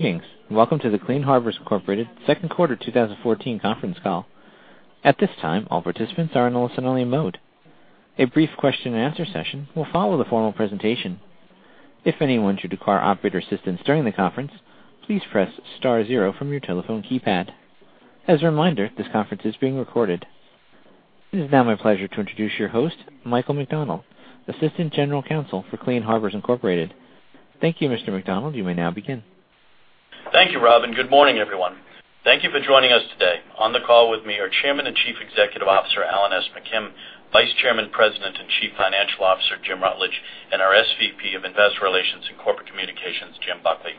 Greetings. Welcome to the Clean Harbors Incorporated Second Quarter 2014 Conference Call. At this time, all participants are in a listen-only mode. A brief question-and-answer session will follow the formal presentation. If anyone should require operator assistance during the conference, please press star zero from your telephone keypad. As a reminder, this conference is being recorded. It is now my pleasure to introduce your host, Michael McDonald, Assistant General Counsel for Clean Harbors Incorporated. Thank you, Mr. McDonald. You may now begin. Thank you, Robin. Good morning, everyone. Thank you for joining us today. On the call with me are Chairman and Chief Executive Officer Alan S. McKim, Vice Chairman, President, and Chief Financial Officer Jim Rutledge, and our SVP of Investor Relations and Corporate Communications, Jim Buckley.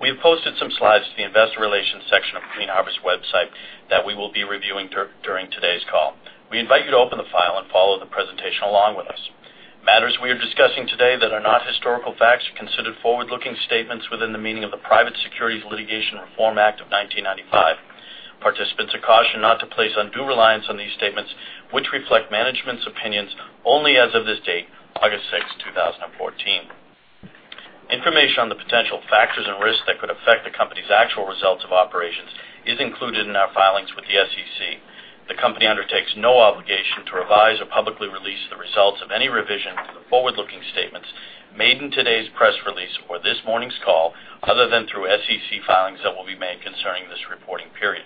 We've posted some slides to the Investor Relations section of Clean Harbors' website that we will be reviewing during today's call. We invite you to open the file and follow the presentation along with us. Matters we are discussing today that are not historical facts are considered forward-looking statements within the meaning of the Private Securities Litigation Reform Act of 1995. Participants are cautioned not to place undue reliance on these statements, which reflect management's opinions only as of this date, August 6, 2014. Information on the potential factors and risks that could affect the company's actual results of operations is included in our filings with the SEC. The company undertakes no obligation to revise or publicly release the results of any revision to the forward-looking statements made in today's press release or this morning's call, other than through SEC filings that will be made concerning this reporting period.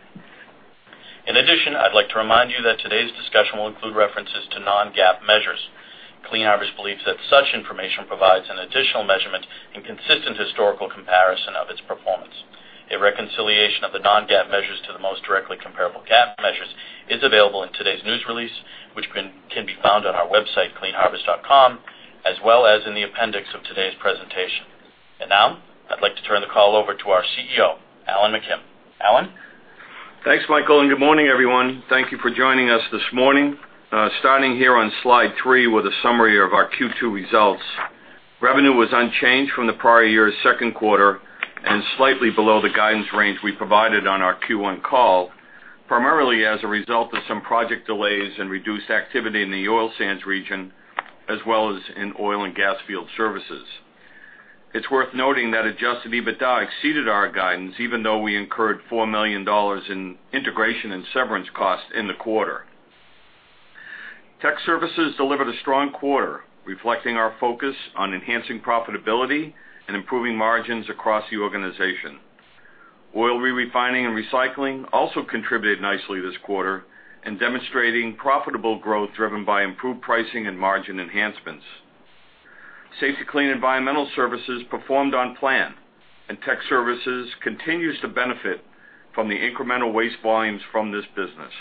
In addition, I'd like to remind you that today's discussion will include references to non-GAAP measures. Clean Harbors believes that such information provides an additional measurement in consistent historical comparison of its performance. A reconciliation of the non-GAAP measures to the most directly comparable GAAP measures is available in today's news release, which can be found on our website, cleanharbors.com, as well as in the appendix of today's presentation. Now, I'd like to turn the call over to our CEO, Alan McKim. Alan? Thanks, Michael, and good morning, everyone. Thank you for joining us this morning. Starting here on slide three with a summary of our Q2 results, revenue was unchanged from the prior year's second quarter and slightly below the guidance range we provided on our Q1 call, primarily as a result of some project delays and reduced activity in the oil sands region, as well as in oil and gas field services. It's worth noting that Adjusted EBITDA exceeded our guidance, even though we incurred $4 million in integration and severance costs in the quarter. Tech services delivered a strong quarter, reflecting our focus on enhancing profitability and improving margins across the organization. Oil re-refining and recycling also contributed nicely this quarter, demonstrating profitable growth driven by improved pricing and margin enhancements. Safety-Kleen Environmental Services performed on plan, and Technical Services continues to benefit from the incremental waste volumes from this business.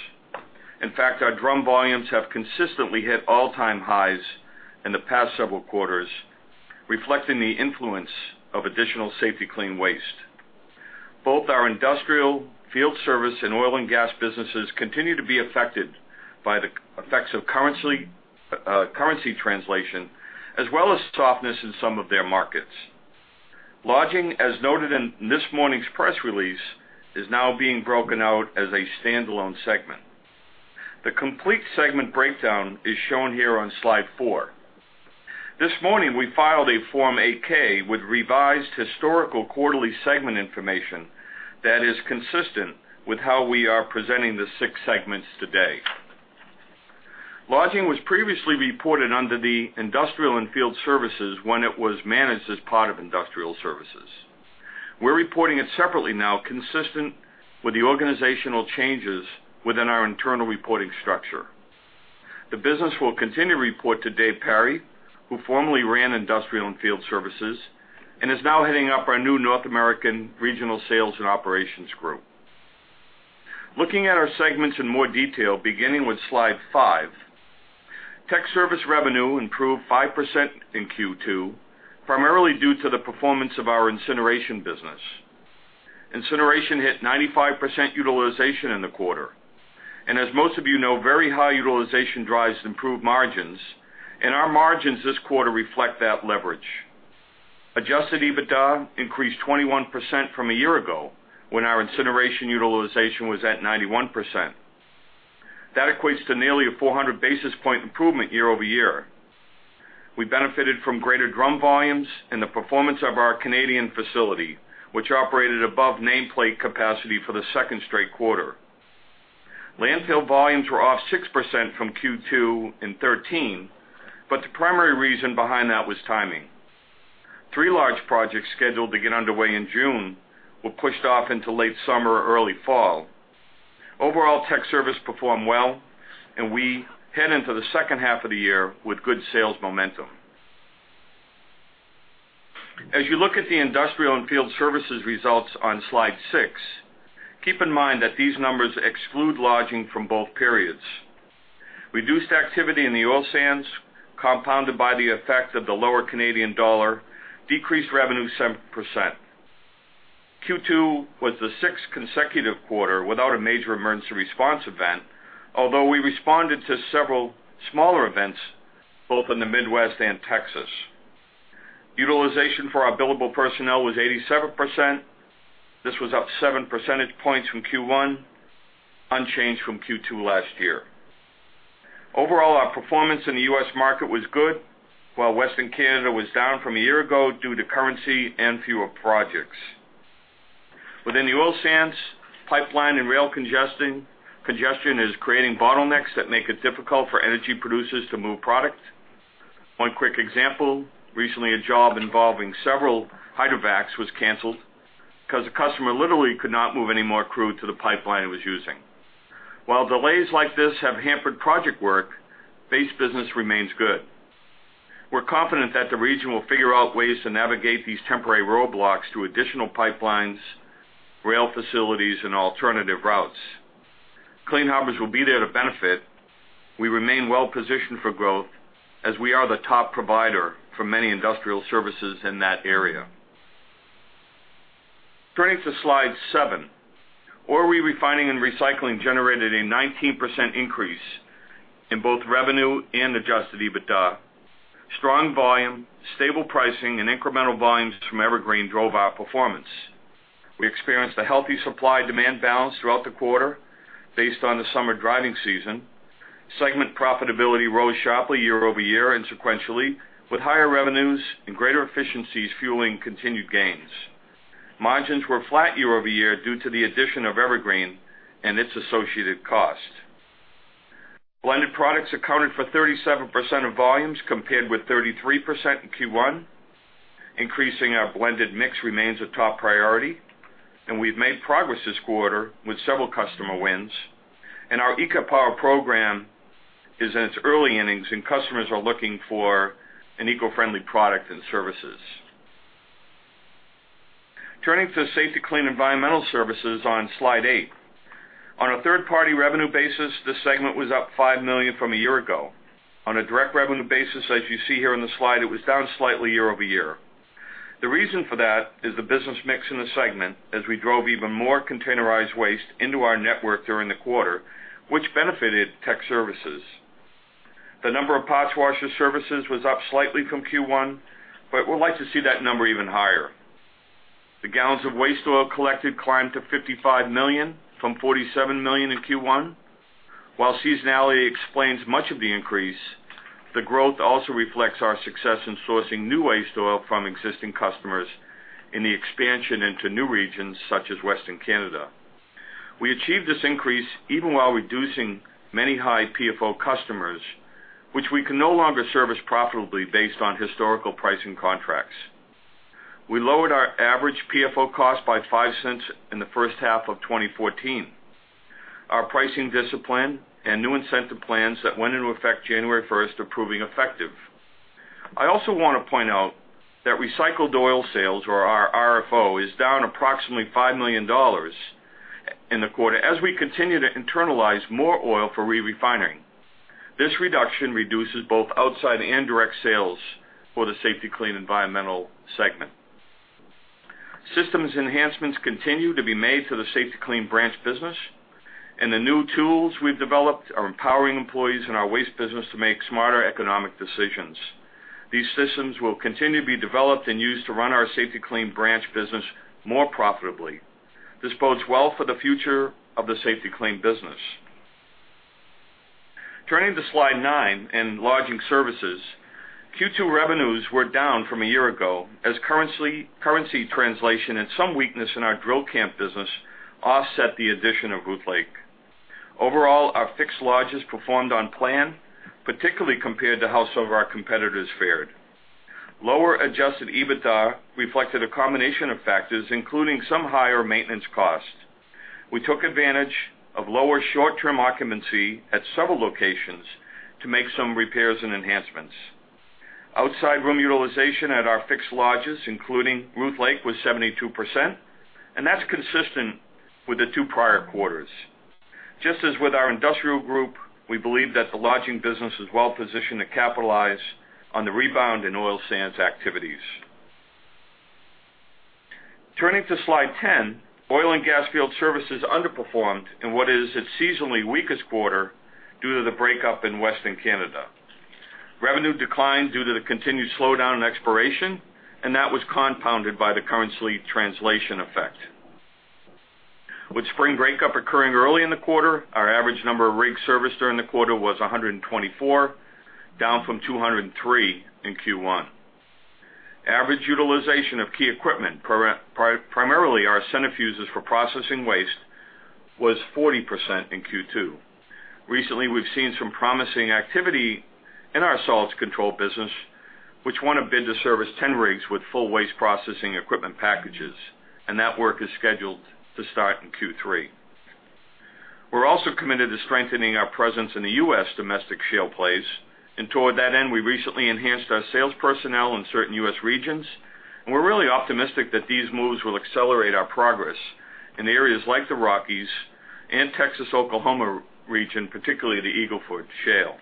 In fact, our drum volumes have consistently hit all-time highs in the past several quarters, reflecting the influence of additional Safety-Kleen waste. Both our Industrial and Field Services, and oil and gas businesses continue to be affected by the effects of currency translation, as well as softness in some of their markets. Lodging, as noted in this morning's press release, is now being broken out as a standalone segment. The complete segment breakdown is shown here on slide four. This morning, we filed a Form 8-K with revised historical quarterly segment information that is consistent with how we are presenting the six segments today. Lodging was previously reported under the Industrial and Field Services when it was managed as part of industrial services. We're reporting it separately now, consistent with the organizational changes within our internal reporting structure. The business will continue to report to Dave Perry, who formerly ran industrial and field services, and is now heading up our new North American regional sales and operations group. Looking at our segments in more detail, beginning with slide five, tech service revenue improved 5% in Q2, primarily due to the performance of our incineration business. Incineration hit 95% utilization in the quarter. And as most of you know, very high utilization drives improved margins, and our margins this quarter reflect that leverage. Adjusted EBITDA increased 21% from a year ago when our incineration utilization was at 91%. That equates to nearly a 400 basis point improvement year-over-year. We benefited from greater drum volumes and the performance of our Canadian facility, which operated above nameplate capacity for the second straight quarter. Landfill volumes were off 6% from Q2 in 2013, but the primary reason behind that was timing. Three large projects scheduled to get underway in June were pushed off into late summer or early fall. Overall, tech service performed well, and we head into the second half of the year with good sales momentum. As you look at the industrial and field services results on slide 6, keep in mind that these numbers exclude lodging from both periods. Reduced activity in the oil sands compounded by the effect of the lower Canadian dollar decreased revenue some percent. Q2 was the sixth consecutive quarter without a major emergency response event, although we responded to several smaller events both in the Midwest and Texas. Utilization for our billable personnel was 87%. This was up seven percentage points from Q1, unchanged from Q2 last year. Overall, our performance in the U.S. market was good, while Western Canada was down from a year ago due to currency and fewer projects. Within the oil sands, pipeline and rail congestion is creating bottlenecks that make it difficult for energy producers to move product. One quick example, recently a job involving several hydrovacs was canceled because a customer literally could not move any more crew to the pipeline it was using. While delays like this have hampered project work, base business remains good. We're confident that the region will figure out ways to navigate these temporary roadblocks to additional pipelines, rail facilities, and alternative routes. Clean Harbors will be there to benefit. We remain well-positioned for growth as we are the top provider for many industrial services in that area. Turning to slide seven, oil re-refining and recycling generated a 19% increase in both revenue and Adjusted EBITDA. Strong volume, stable pricing, and incremental volumes from Evergreen drove our performance. We experienced a healthy supply-demand balance throughout the quarter based on the summer driving season. Segment profitability rose sharply year-over-year and sequentially, with higher revenues and greater efficiencies fueling continued gains. Margins were flat year-over-year due to the addition of Evergreen and its associated cost. Blended products accounted for 37% of volumes compared with 33% in Q1, increasing our blended mix remains a top priority, and we've made progress this quarter with several customer wins. Our EcoPower program is in its early innings, and customers are looking for an eco-friendly product and services. Turning to Safety-Kleen environmental services on slide eight. On a third-party revenue basis, this segment was up $5 million from a year ago. On a direct revenue basis, as you see here on the slide, it was down slightly year-over-year. The reason for that is the business mix in the segment as we drove even more containerized waste into our network during the quarter, which benefited tech services. The number of parts washer services was up slightly from Q1, but we'd like to see that number even higher. The gallons of waste oil collected climbed to 55 million from 47 million in Q1. While seasonality explains much of the increase, the growth also reflects our success in sourcing new waste oil from existing customers in the expansion into new regions such as Western Canada. We achieved this increase even while reducing many high PFO customers, which we can no longer service profitably based on historical pricing contracts. We lowered our average PFO cost by $0.05 in the first half of 2014. Our pricing discipline and new incentive plans that went into effect January 1st are proving effective. I also want to point out that recycled oil sales, or our RFO, is down approximately $5 million in the quarter as we continue to internalize more oil for re-refining. This reduction reduces both outside and direct sales for the Safety-Kleen environmental segment. Systems enhancements continue to be made to the Safety-Kleen branch business, and the new tools we've developed are empowering employees in our waste business to make smarter economic decisions. These systems will continue to be developed and used to run our Safety-Kleen branch business more profitably. This bodes well for the future of the Safety-Kleen business. Turning to slide nine and lodging services, Q2 revenues were down from a year ago as currency translation and some weakness in our drill camp business offset the addition of Bootleg. Overall, our fixed lodges performed on plan, particularly compared to how some of our competitors fared. Lower Adjusted EBITDA reflected a combination of factors, including some higher maintenance costs. We took advantage of lower short-term occupancy at several locations to make some repairs and enhancements. Outside room utilization at our fixed lodges, including Ruth Lake, was 72%, and that's consistent with the two prior quarters. Just as with our industrial group, we believe that the lodging business is well-positioned to capitalize on the rebound in oil sands activities. Turning to slide 10, oil and gas field services underperformed in what is its seasonally weakest quarter due to the breakup in Western Canada. Revenue declined due to the continued slowdown in exploration, and that was compounded by the currency translation effect. With spring breakup occurring early in the quarter, our average number of rigs serviced during the quarter was 124, down from 203 in Q1. Average utilization of key equipment, primarily our centrifuges for processing waste, was 40% in Q2. Recently, we've seen some promising activity in our solids control business, which won a bid to service 10 rigs with full waste processing equipment packages, and that work is scheduled to start in Q3. We're also committed to strengthening our presence in the U.S. domestic shale plays, and toward that end, we recently enhanced our sales personnel in certain U.S. regions, and we're really optimistic that these moves will accelerate our progress in areas like the Rockies and Texas-Oklahoma region, particularly the Eagle Ford shale.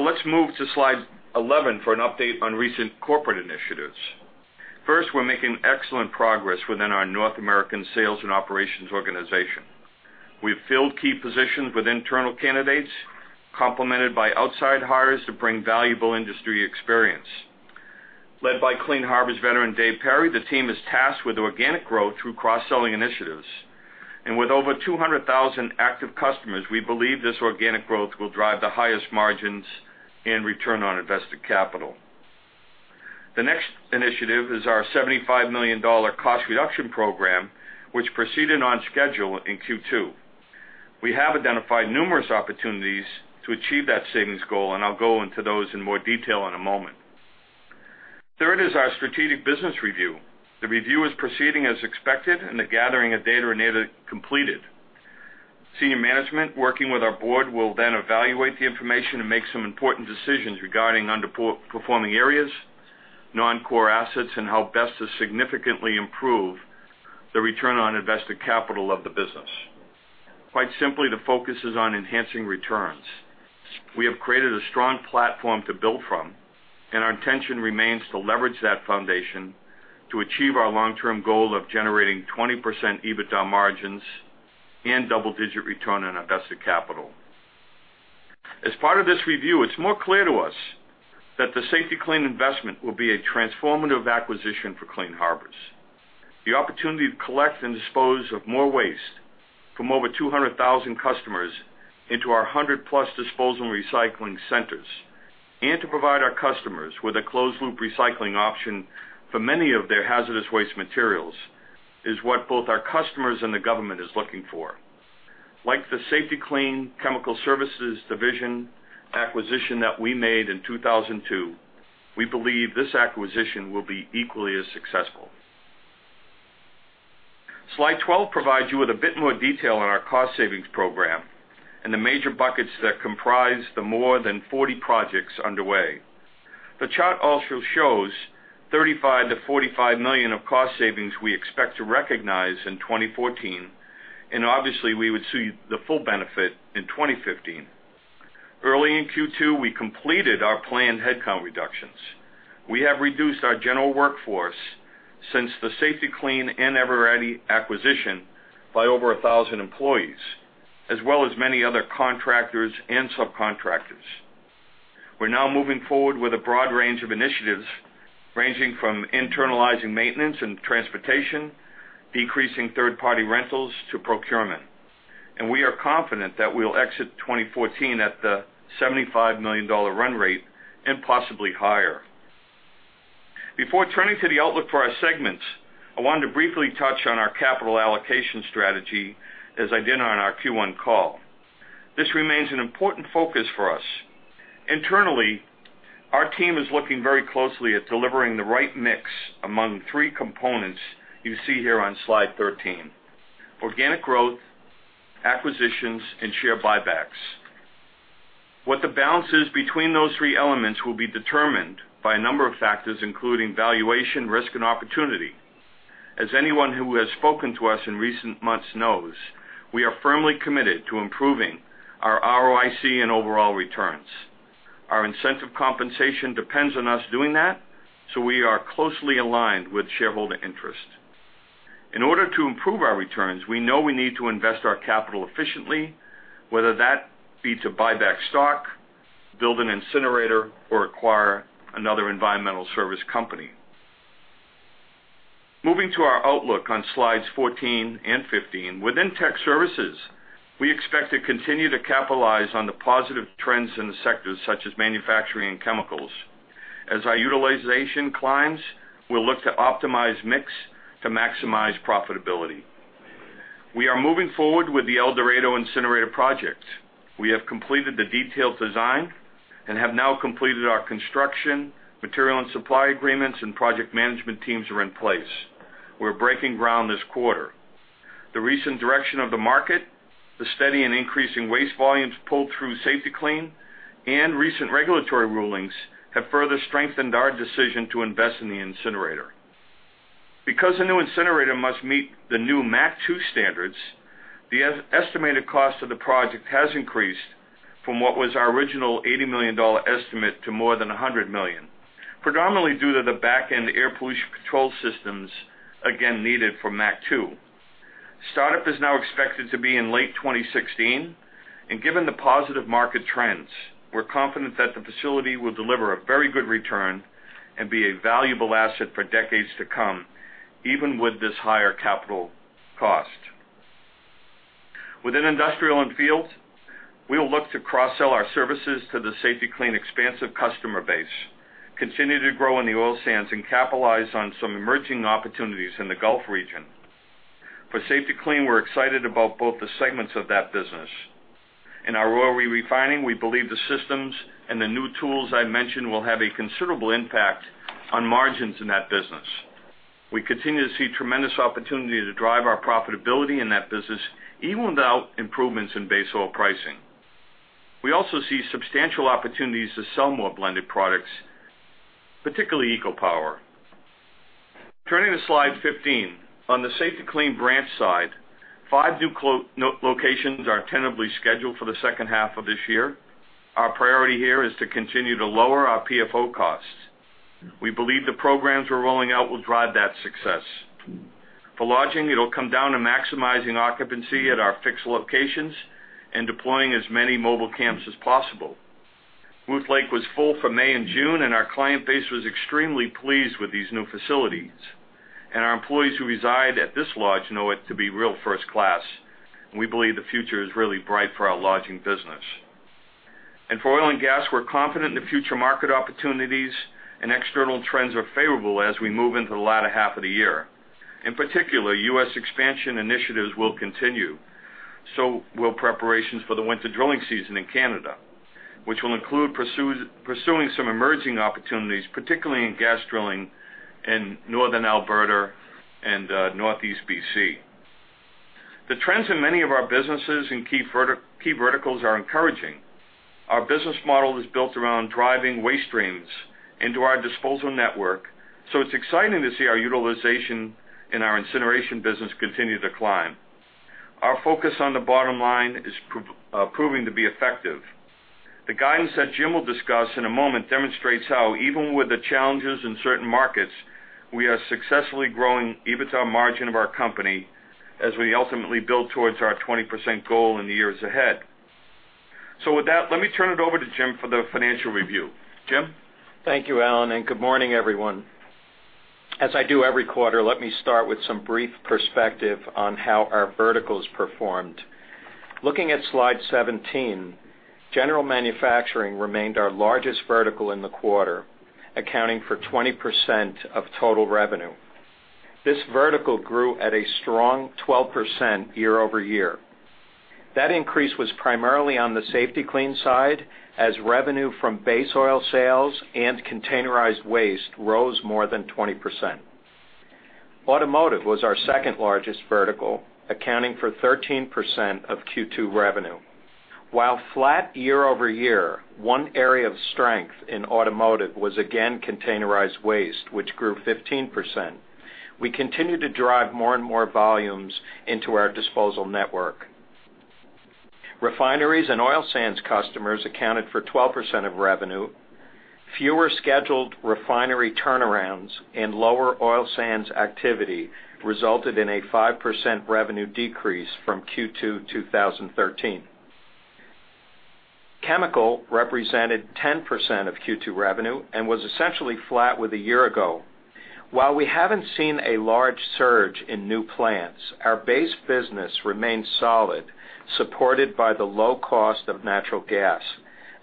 Let's move to slide 11 for an update on recent corporate initiatives. First, we're making excellent progress within our North American sales and operations organization. We've filled key positions with internal candidates, complemented by outside hires to bring valuable industry experience. Led by Clean Harbors veteran Dave Perry, the team is tasked with organic growth through cross-selling initiatives. With over 200,000 active customers, we believe this organic growth will drive the highest margins and return on invested capital. The next initiative is our $75 million cost reduction program, which proceeded on schedule in Q2. We have identified numerous opportunities to achieve that savings goal, and I'll go into those in more detail in a moment. Third is our strategic business review. The review is proceeding as expected, and the gathering of data remains completed. Senior management working with our board will then evaluate the information and make some important decisions regarding underperforming areas, non-core assets, and how best to significantly improve the return on invested capital of the business. Quite simply, the focus is on enhancing returns. We have created a strong platform to build from, and our intention remains to leverage that foundation to achieve our long-term goal of generating 20% EBITDA margins and double-digit return on invested capital. As part of this review, it's more clear to us that the Safety-Kleen investment will be a transformative acquisition for Clean Harbors. The opportunity to collect and dispose of more waste from over 200,000 customers into our 100-plus disposal and recycling centers and to provide our customers with a closed-loop recycling option for many of their hazardous waste materials is what both our customers and the government is looking for. Like the Safety-Kleen chemical services division acquisition that we made in 2002, we believe this acquisition will be equally as successful. Slide 12 provides you with a bit more detail on our cost savings program and the major buckets that comprise the more than 40 projects underway. The chart also shows $35 million-$45 million of cost savings we expect to recognize in 2014, and obviously, we would see the full benefit in 2015. Early in Q2, we completed our planned headcount reductions. We have reduced our general workforce since the Safety-Kleen and Evergreen Oil acquisition by over 1,000 employees, as well as many other contractors and subcontractors. We're now moving forward with a broad range of initiatives ranging from internalizing maintenance and transportation, decreasing third-party rentals, to procurement. And we are confident that we'll exit 2014 at the $75 million run rate and possibly higher. Before turning to the outlook for our segments, I wanted to briefly touch on our capital allocation strategy as I did on our Q1 call. This remains an important focus for us. Internally, our team is looking very closely at delivering the right mix among three components you see here on slide 13: organic growth, acquisitions, and share buybacks. What the balance is between those three elements will be determined by a number of factors, including valuation, risk, and opportunity. As anyone who has spoken to us in recent months knows, we are firmly committed to improving our ROIC and overall returns. Our incentive compensation depends on us doing that, so we are closely aligned with shareholder interest. In order to improve our returns, we know we need to invest our capital efficiently, whether that be to buy back stock, build an incinerator, or acquire another environmental service company. Moving to our outlook on slides 14 and 15, within tech services, we expect to continue to capitalize on the positive trends in the sectors such as manufacturing and chemicals. As our utilization climbs, we'll look to optimize mix to maximize profitability. We are moving forward with the El Dorado incinerator project. We have completed the detailed design and have now completed our construction, material and supply agreements, and project management teams are in place. We're breaking ground this quarter. The recent direction of the market, the steady and increasing waste volumes pulled through Safety-Kleen, and recent regulatory rulings have further strengthened our decision to invest in the incinerator. Because a new incinerator must meet the new MACT II standards, the estimated cost of the project has increased from what was our original $80 million estimate to more than $100 million, predominantly due to the backend air pollution control systems, again, needed for MACT II. Startup is now expected to be in late 2016, and given the positive market trends, we're confident that the facility will deliver a very good return and be a valuable asset for decades to come, even with this higher capital cost. Within industrial and field, we'll look to cross-sell our services to the Safety-Kleen expansive customer base, continue to grow in the oil sands, and capitalize on some emerging opportunities in the Gulf region. For Safety-Kleen, we're excited about both the segments of that business. In our oil re-refining, we believe the systems and the new tools I mentioned will have a considerable impact on margins in that business. We continue to see tremendous opportunity to drive our profitability in that business even without improvements in base oil pricing. We also see substantial opportunities to sell more blended products, particularly EcoPower. Turning to slide 15, on the Safety-Kleen branch side, five new locations are tentatively scheduled for the second half of this year. Our priority here is to continue to lower our PFO costs. We believe the programs we're rolling out will drive that success. For lodging, it'll come down to maximizing occupancy at our fixed locations and deploying as many mobile camps as possible. Bootleg was full from May and June, and our client base was extremely pleased with these new facilities. Our employees who reside at this lodge know it to be real first class. We believe the future is really bright for our lodging business. And for oil and gas, we're confident in the future market opportunities, and external trends are favorable as we move into the latter half of the year. In particular, U.S. expansion initiatives will continue, so will preparations for the winter drilling season in Canada, which will include pursuing some emerging opportunities, particularly in gas drilling in Northern Alberta and Northeast BC. The trends in many of our businesses and key verticals are encouraging. Our business model is built around driving waste streams into our disposal network, so it's exciting to see our utilization in our incineration business continue to climb. Our focus on the bottom line is proving to be effective. The guidance that Jim will discuss in a moment demonstrates how, even with the challenges in certain markets, we are successfully growing EBITDA margin of our company as we ultimately build towards our 20% goal in the years ahead. So with that, let me turn it over to Jim for the financial review. Jim? Thank you, Alan, and good morning, everyone. As I do every quarter, let me start with some brief perspective on how our verticals performed. Looking at slide 17, general manufacturing remained our largest vertical in the quarter, accounting for 20% of total revenue. This vertical grew at a strong 12% year-over-year. That increase was primarily on the Safety-Kleen side as revenue from base oil sales and containerized waste rose more than 20%. Automotive was our second-largest vertical, accounting for 13% of Q2 revenue. While flat year-over-year, one area of strength in automotive was, again, containerized waste, which grew 15%. We continue to drive more and more volumes into our disposal network. Refineries and oil sands customers accounted for 12% of revenue. Fewer scheduled refinery turnarounds and lower oil sands activity resulted in a 5% revenue decrease from Q2 2013. Chemical represented 10% of Q2 revenue and was essentially flat with a year ago. While we haven't seen a large surge in new plants, our base business remained solid, supported by the low cost of natural gas.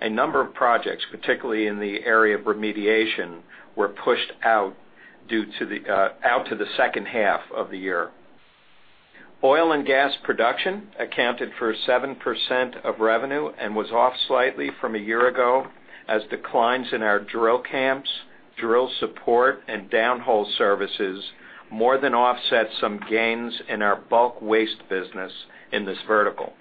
A number of projects, particularly in the area of remediation, were pushed out to the second half of the year. Oil and gas production accounted for 7% of revenue and was off slightly from a year ago as declines in our drill camps, drill support, and downhole services more than offset some gains in our bulk waste business in this vertical.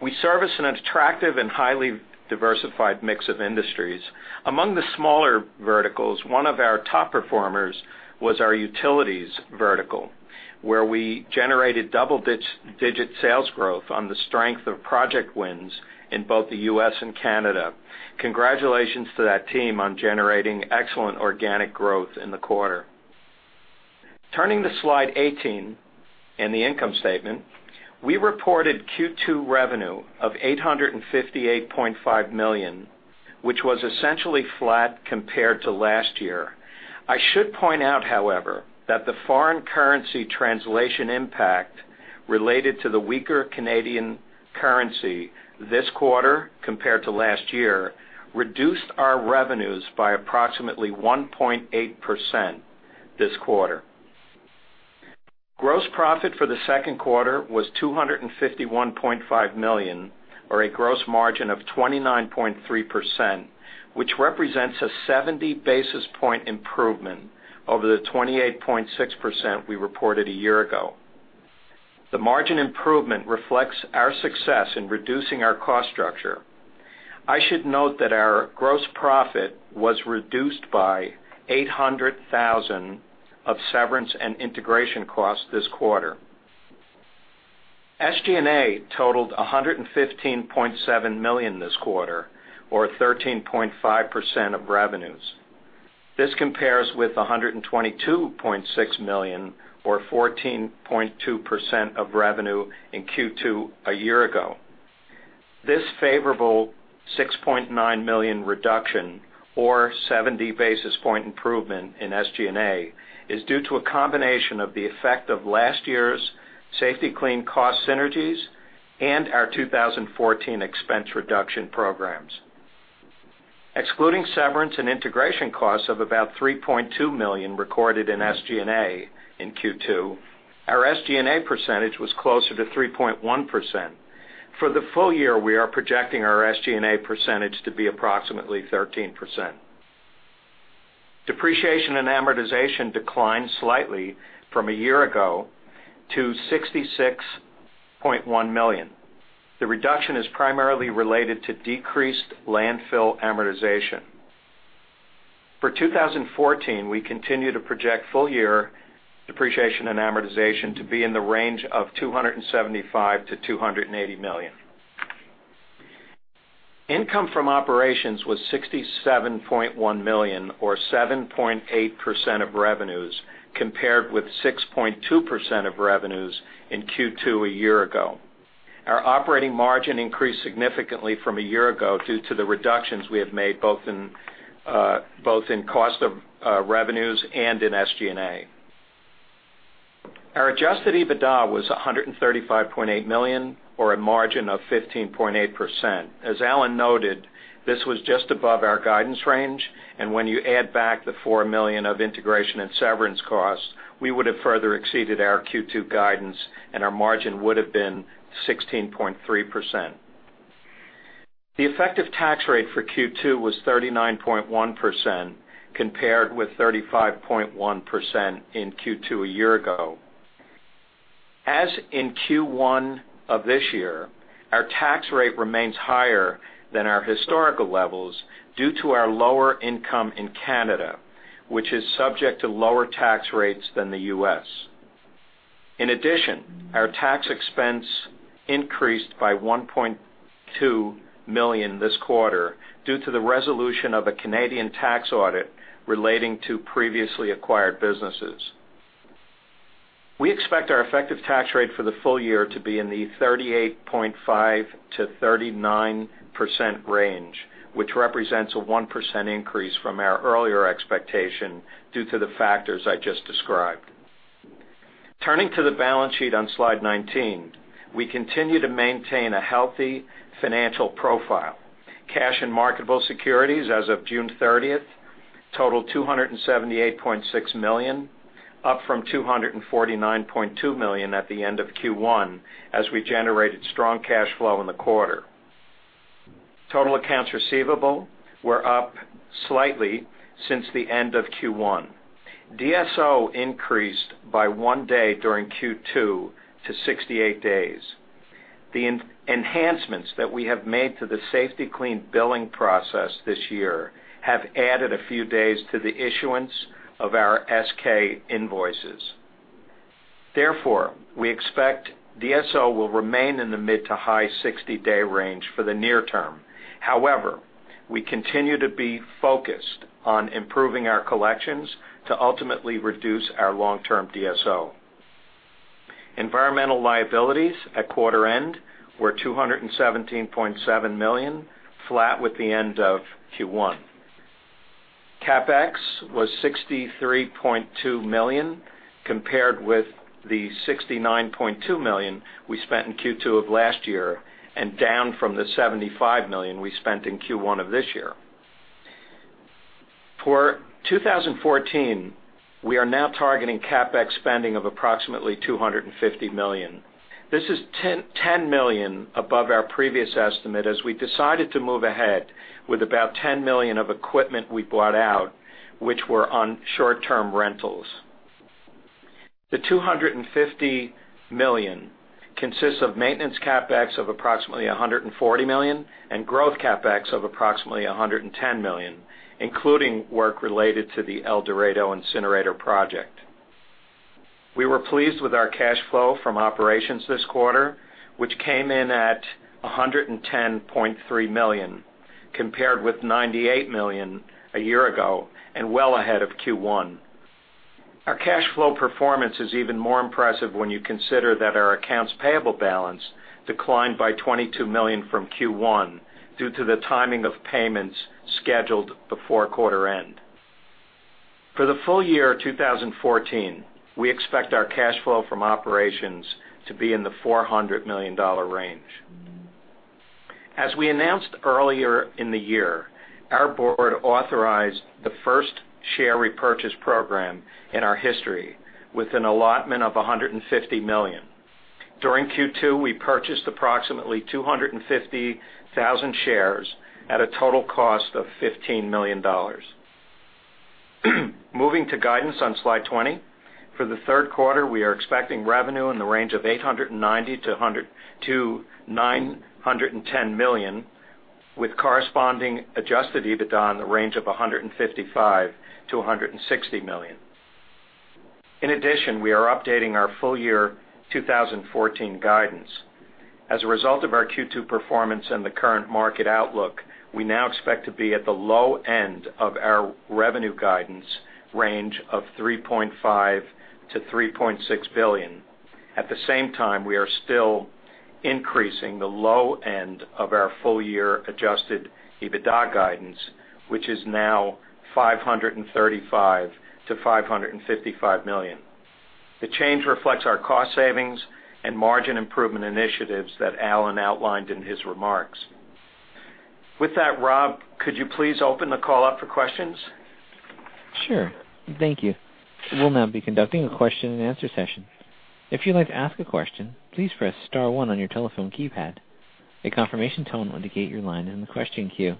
We service an attractive and highly diversified mix of industries. Among the smaller verticals, one of our top performers was our utilities vertical, where we generated double-digit sales growth on the strength of project wins in both the U.S. and Canada. Congratulations to that team on generating excellent organic growth in the quarter. Turning to slide 18 and the income statement, we reported Q2 revenue of $858.5 million, which was essentially flat compared to last year. I should point out, however, that the foreign currency translation impact related to the weaker Canadian currency this quarter compared to last year reduced our revenues by approximately 1.8% this quarter. Gross profit for the second quarter was $251.5 million, or a gross margin of 29.3%, which represents a 70 basis point improvement over the 28.6% we reported a year ago. The margin improvement reflects our success in reducing our cost structure. I should note that our gross profit was reduced by $800,000 of severance and integration costs this quarter. SG&A totaled $115.7 million this quarter, or 13.5% of revenues. This compares with $122.6 million, or 14.2% of revenue in Q2 a year ago. This favorable $6.9 million reduction, or 70 basis point improvement in SG&A, is due to a combination of the effect of last year's Safety-Kleen cost synergies and our 2014 expense reduction programs. Excluding severance and integration costs of about $3.2 million recorded in SG&A in Q2, our SG&A percentage was closer to 3.1%. For the full year, we are projecting our SG&A percentage to be approximately 13%. Depreciation and amortization declined slightly from a year ago to $66.1 million. The reduction is primarily related to decreased landfill amortization. For 2014, we continue to project full year depreciation and amortization to be in the range of $275-$280 million. Income from operations was $67.1 million, or 7.8% of revenues, compared with 6.2% of revenues in Q2 a year ago. Our operating margin increased significantly from a year ago due to the reductions we have made both in cost of revenues and in SG&A. Our adjusted EBITDA was $135.8 million, or a margin of 15.8%. As Alan noted, this was just above our guidance range, and when you add back the $4 million of integration and severance costs, we would have further exceeded our Q2 guidance, and our margin would have been 16.3%. The effective tax rate for Q2 was 39.1%, compared with 35.1% in Q2 a year ago. As in Q1 of this year, our tax rate remains higher than our historical levels due to our lower income in Canada, which is subject to lower tax rates than the US. In addition, our tax expense increased by $1.2 million this quarter due to the resolution of a Canadian tax audit relating to previously acquired businesses. We expect our effective tax rate for the full year to be in the 38.5%-39% range, which represents a 1% increase from our earlier expectation due to the factors I just described. Turning to the balance sheet on slide 19, we continue to maintain a healthy financial profile. Cash and marketable securities, as of June 30th, totaled $278.6 million, up from $249.2 million at the end of Q1 as we generated strong cash flow in the quarter. Total accounts receivable were up slightly since the end of Q1. DSO increased by one day during Q2 to 68 days. The enhancements that we have made to the Safety-Kleen billing process this year have added a few days to the issuance of our SK invoices. Therefore, we expect DSO will remain in the mid- to high 60-day range for the near term. However, we continue to be focused on improving our collections to ultimately reduce our long-term DSO. Environmental liabilities at quarter end were $217.7 million, flat with the end of Q1. CapEx was $63.2 million compared with the $69.2 million we spent in Q2 of last year and down from the $75 million we spent in Q1 of this year. For 2014, we are now targeting CapEx spending of approximately $250 million. This is $10 million above our previous estimate as we decided to move ahead with about $10 million of equipment we bought out, which were on short-term rentals. The $250 million consists of maintenance CapEx of approximately $140 million and growth CapEx of approximately $110 million, including work related to the El Dorado incinerator project. We were pleased with our cash flow from operations this quarter, which came in at $110.3 million compared with $98 million a year ago and well ahead of Q1. Our cash flow performance is even more impressive when you consider that our accounts payable balance declined by $22 million from Q1 due to the timing of payments scheduled before quarter end. For the full year of 2014, we expect our cash flow from operations to be in the $400 million range. As we announced earlier in the year, our board authorized the first share repurchase program in our history with an allotment of $150 million. During Q2, we purchased approximately 250,000 shares at a total cost of $15 million. Moving to guidance on slide 20, for the third quarter, we are expecting revenue in the range of $890-$910 million, with corresponding Adjusted EBITDA in the range of $155-$160 million. In addition, we are updating our full year 2014 guidance. As a result of our Q2 performance and the current market outlook, we now expect to be at the low end of our revenue guidance range of $3.5-$3.6 billion. At the same time, we are still increasing the low end of our full year Adjusted EBITDA guidance, which is now $535-$555 million. The change reflects our cost savings and margin improvement initiatives that Alan outlined in his remarks. With that, Rob, could you please open the call up for questions? Sure. Thank you. We'll now be conducting a question and answer session. If you'd like to ask a question, please press star one on your telephone keypad. A confirmation tone will indicate your line is in the question queue.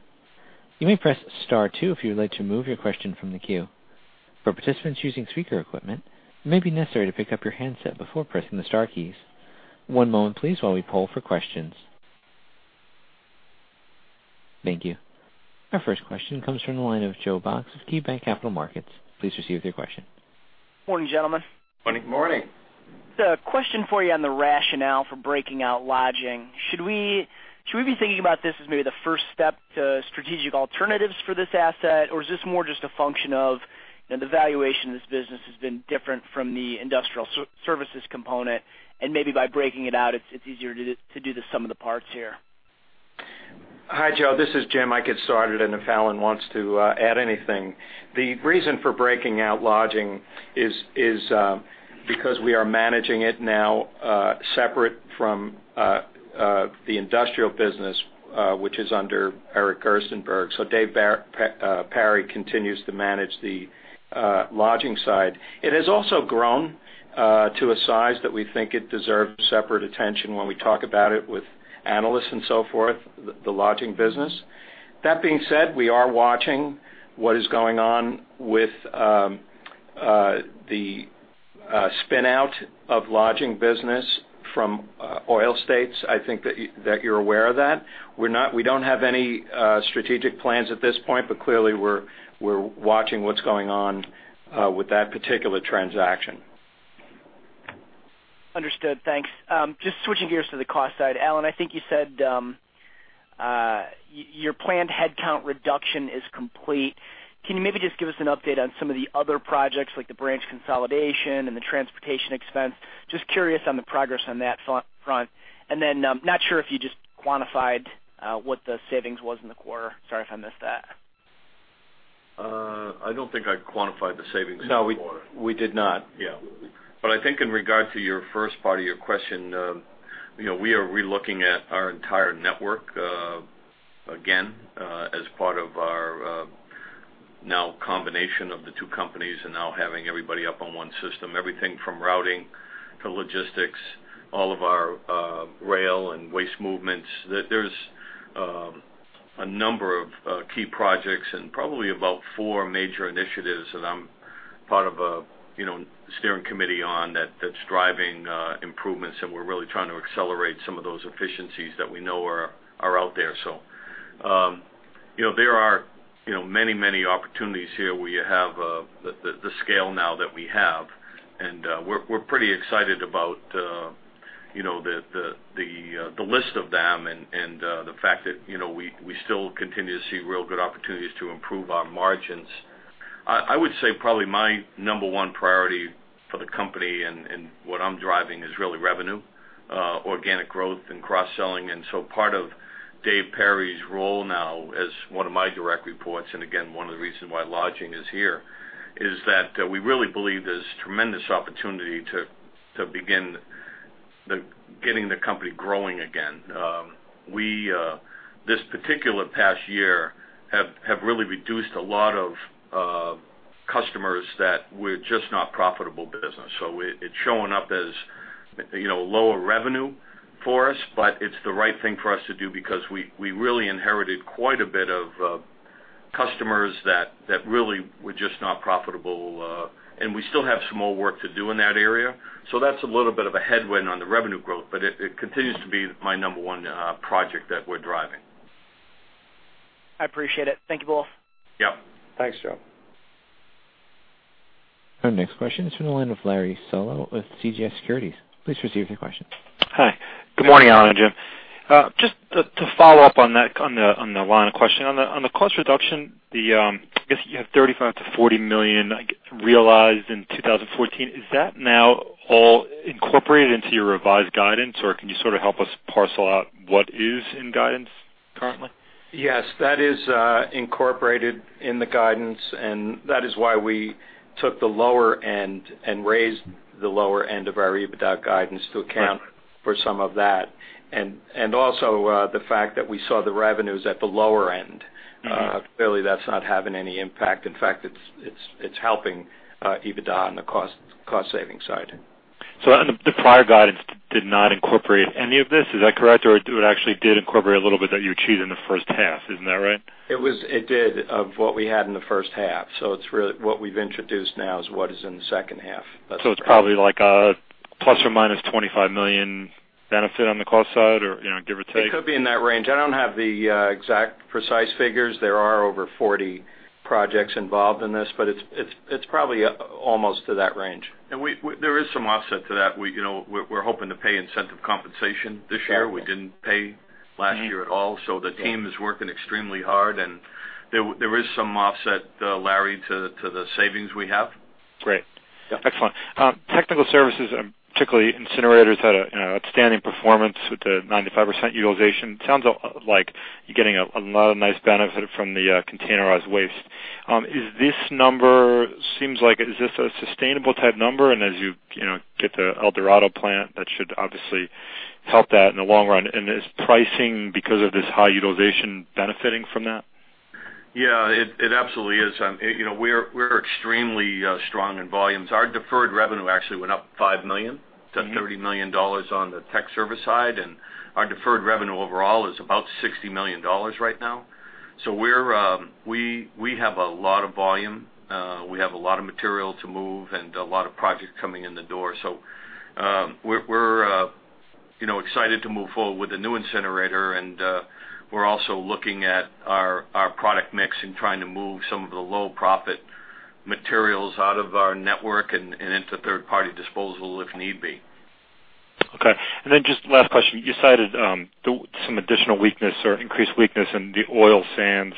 You may press star two if you'd like to move your question from the queue. For participants using speaker equipment, it may be necessary to pick up your handset before pressing the star keys. One moment, please, while we poll for questions. Thank you. Our first question comes from the line of Joe Box of KeyBanc Capital Markets. Please proceed with your question. Morning, gentlemen. Morning. Morning. The question for you on the rationale for breaking out lodging: should we be thinking about this as maybe the first step to strategic alternatives for this asset, or is this more just a function of the valuation of this business has been different from the industrial services component, and maybe by breaking it out, it's easier to do some of the parts here? Hi, Joe. This is Jim. I'll get started, and if Alan wants to add anything. The reason for breaking out lodging is because we are managing it now separate from the industrial business, which is under Eric Gerstenberg. So Dave Perry continues to manage the lodging side. It has also grown to a size that we think it deserves separate attention when we talk about it with analysts and so forth, the lodging business. That being said, we are watching what is going on with the spinout of lodging business from Oil States. I think that you're aware of that. We don't have any strategic plans at this point, but clearly we're watching what's going on with that particular transaction. Understood. Thanks. Just switching gears to the cost side, Alan, I think you said your planned headcount reduction is complete. Can you maybe just give us an update on some of the other projects, like the branch consolidation and the transportation expense? Just curious on the progress on that front. And then not sure if you just quantified what the savings was in the quarter. Sorry if I missed that. I don't think I quantified the savings in the quarter. No. We did not. Yeah. But I think in regard to your first part of your question, we are relooking at our entire network again as part of our now combination of the two companies and now having everybody up on one system. Everything from routing to logistics, all of our rail and waste movements. There's a number of key projects and probably about four major initiatives that I'm part of a steering committee on that's driving improvements, and we're really trying to accelerate some of those efficiencies that we know are out there. So there are many, many opportunities here where you have the scale now that we have, and we're pretty excited about the list of them and the fact that we still continue to see real good opportunities to improve our margins. I would say probably my number one priority for the company and what I'm driving is really revenue, organic growth, and cross-selling. And so part of Dave Perry's role now as one of my direct reports, and again, one of the reasons why lodging is here, is that we really believe there's tremendous opportunity to begin getting the company growing again. We, this particular past year, have really reduced a lot of customers that were just not profitable business. So it's showing up as lower revenue for us, but it's the right thing for us to do because we really inherited quite a bit of customers that really were just not profitable, and we still have some more work to do in that area. So that's a little bit of a headwind on the revenue growth, but it continues to be my number one project that we're driving. I appreciate it. Thank you both. Yep. Thanks, Joe. Our next question is from the line of Larry Solow with CJS Securities. Please proceed with your question. Hi. Good morning, Alan and Jim. Just to follow up on the line of question, on the cost reduction, I guess you have $35-$40 million realized in 2014. Is that now all incorporated into your revised guidance, or can you sort of help us parcel out what is in guidance currently? Yes. That is incorporated in the guidance, and that is why we took the lower end and raised the lower end of our EBITDA guidance to account for some of that. And also the fact that we saw the revenues at the lower end, clearly that's not having any impact. In fact, it's helping EBITDA on the cost saving side. The prior guidance did not incorporate any of this. Is that correct? Or it actually did incorporate a little bit that you achieved in the first half. Isn't that right? It did of what we had in the first half. What we've introduced now is what is in the second half. It's probably like a ±$25 million benefit on the cost side, or give or take? It could be in that range. I don't have the exact precise figures. There are over 40 projects involved in this, but it's probably almost to that range. There is some offset to that. We're hoping to pay incentive compensation this year. We didn't pay last year at all. The team is working extremely hard, and there is some offset, Larry, to the savings we have. Great. Excellent. Technical services, particularly incinerators, had outstanding performance with the 95% utilization. Sounds like you're getting a lot of nice benefit from the containerized waste. Is this number, seems like, is this a sustainable type number? And as you get the El Dorado plant, that should obviously help that in the long run. And is pricing, because of this high utilization, benefiting from that? Yeah. It absolutely is. We're extremely strong in volumes. Our deferred revenue actually went up $5 million to $30 million on the tech service side, and our deferred revenue overall is about $60 million right now. So we have a lot of volume. We have a lot of material to move and a lot of projects coming in the door. So we're excited to move forward with the new incinerator, and we're also looking at our product mix and trying to move some of the low-profit materials out of our network and into third-party disposal if need be. Okay. And then just last question. You cited some additional weakness or increased weakness in the oil sands.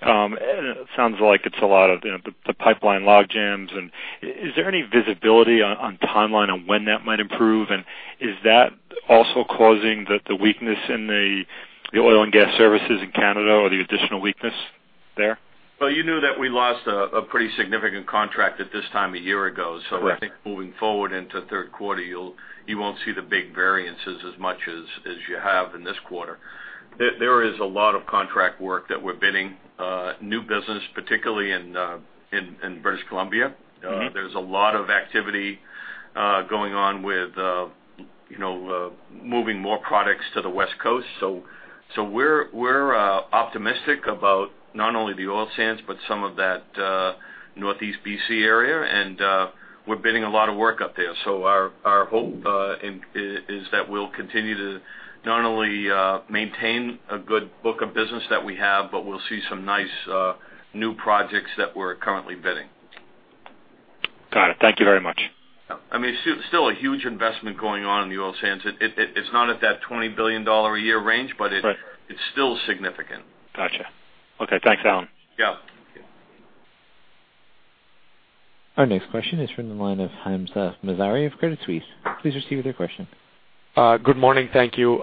It sounds like it's a lot of the pipeline logjams. And is there any visibility on timeline on when that might improve? And is that also causing the weakness in the oil and gas services in Canada or the additional weakness there? Well, you knew that we lost a pretty significant contract at this time a year ago. So I think moving forward into third quarter, you won't see the big variances as much as you have in this quarter. There is a lot of contract work that we're bidding. New business, particularly in British Columbia. There's a lot of activity going on with moving more products to the West Coast. So we're optimistic about not only the oil sands, but some of that Northeast BC area, and we're bidding a lot of work up there. So our hope is that we'll continue to not only maintain a good book of business that we have, but we'll see some nice new projects that we're currently bidding. Got it. Thank you very much. I mean, still a huge investment going on in the oil sands. It's not at that $20 billion a year range, but it's still significant. Gotcha. Okay. Thanks, Alan. Yeah. Our next question is from the line of Hamzah Mazari of Credit Suisse. Please proceed with your question. Good morning. Thank you.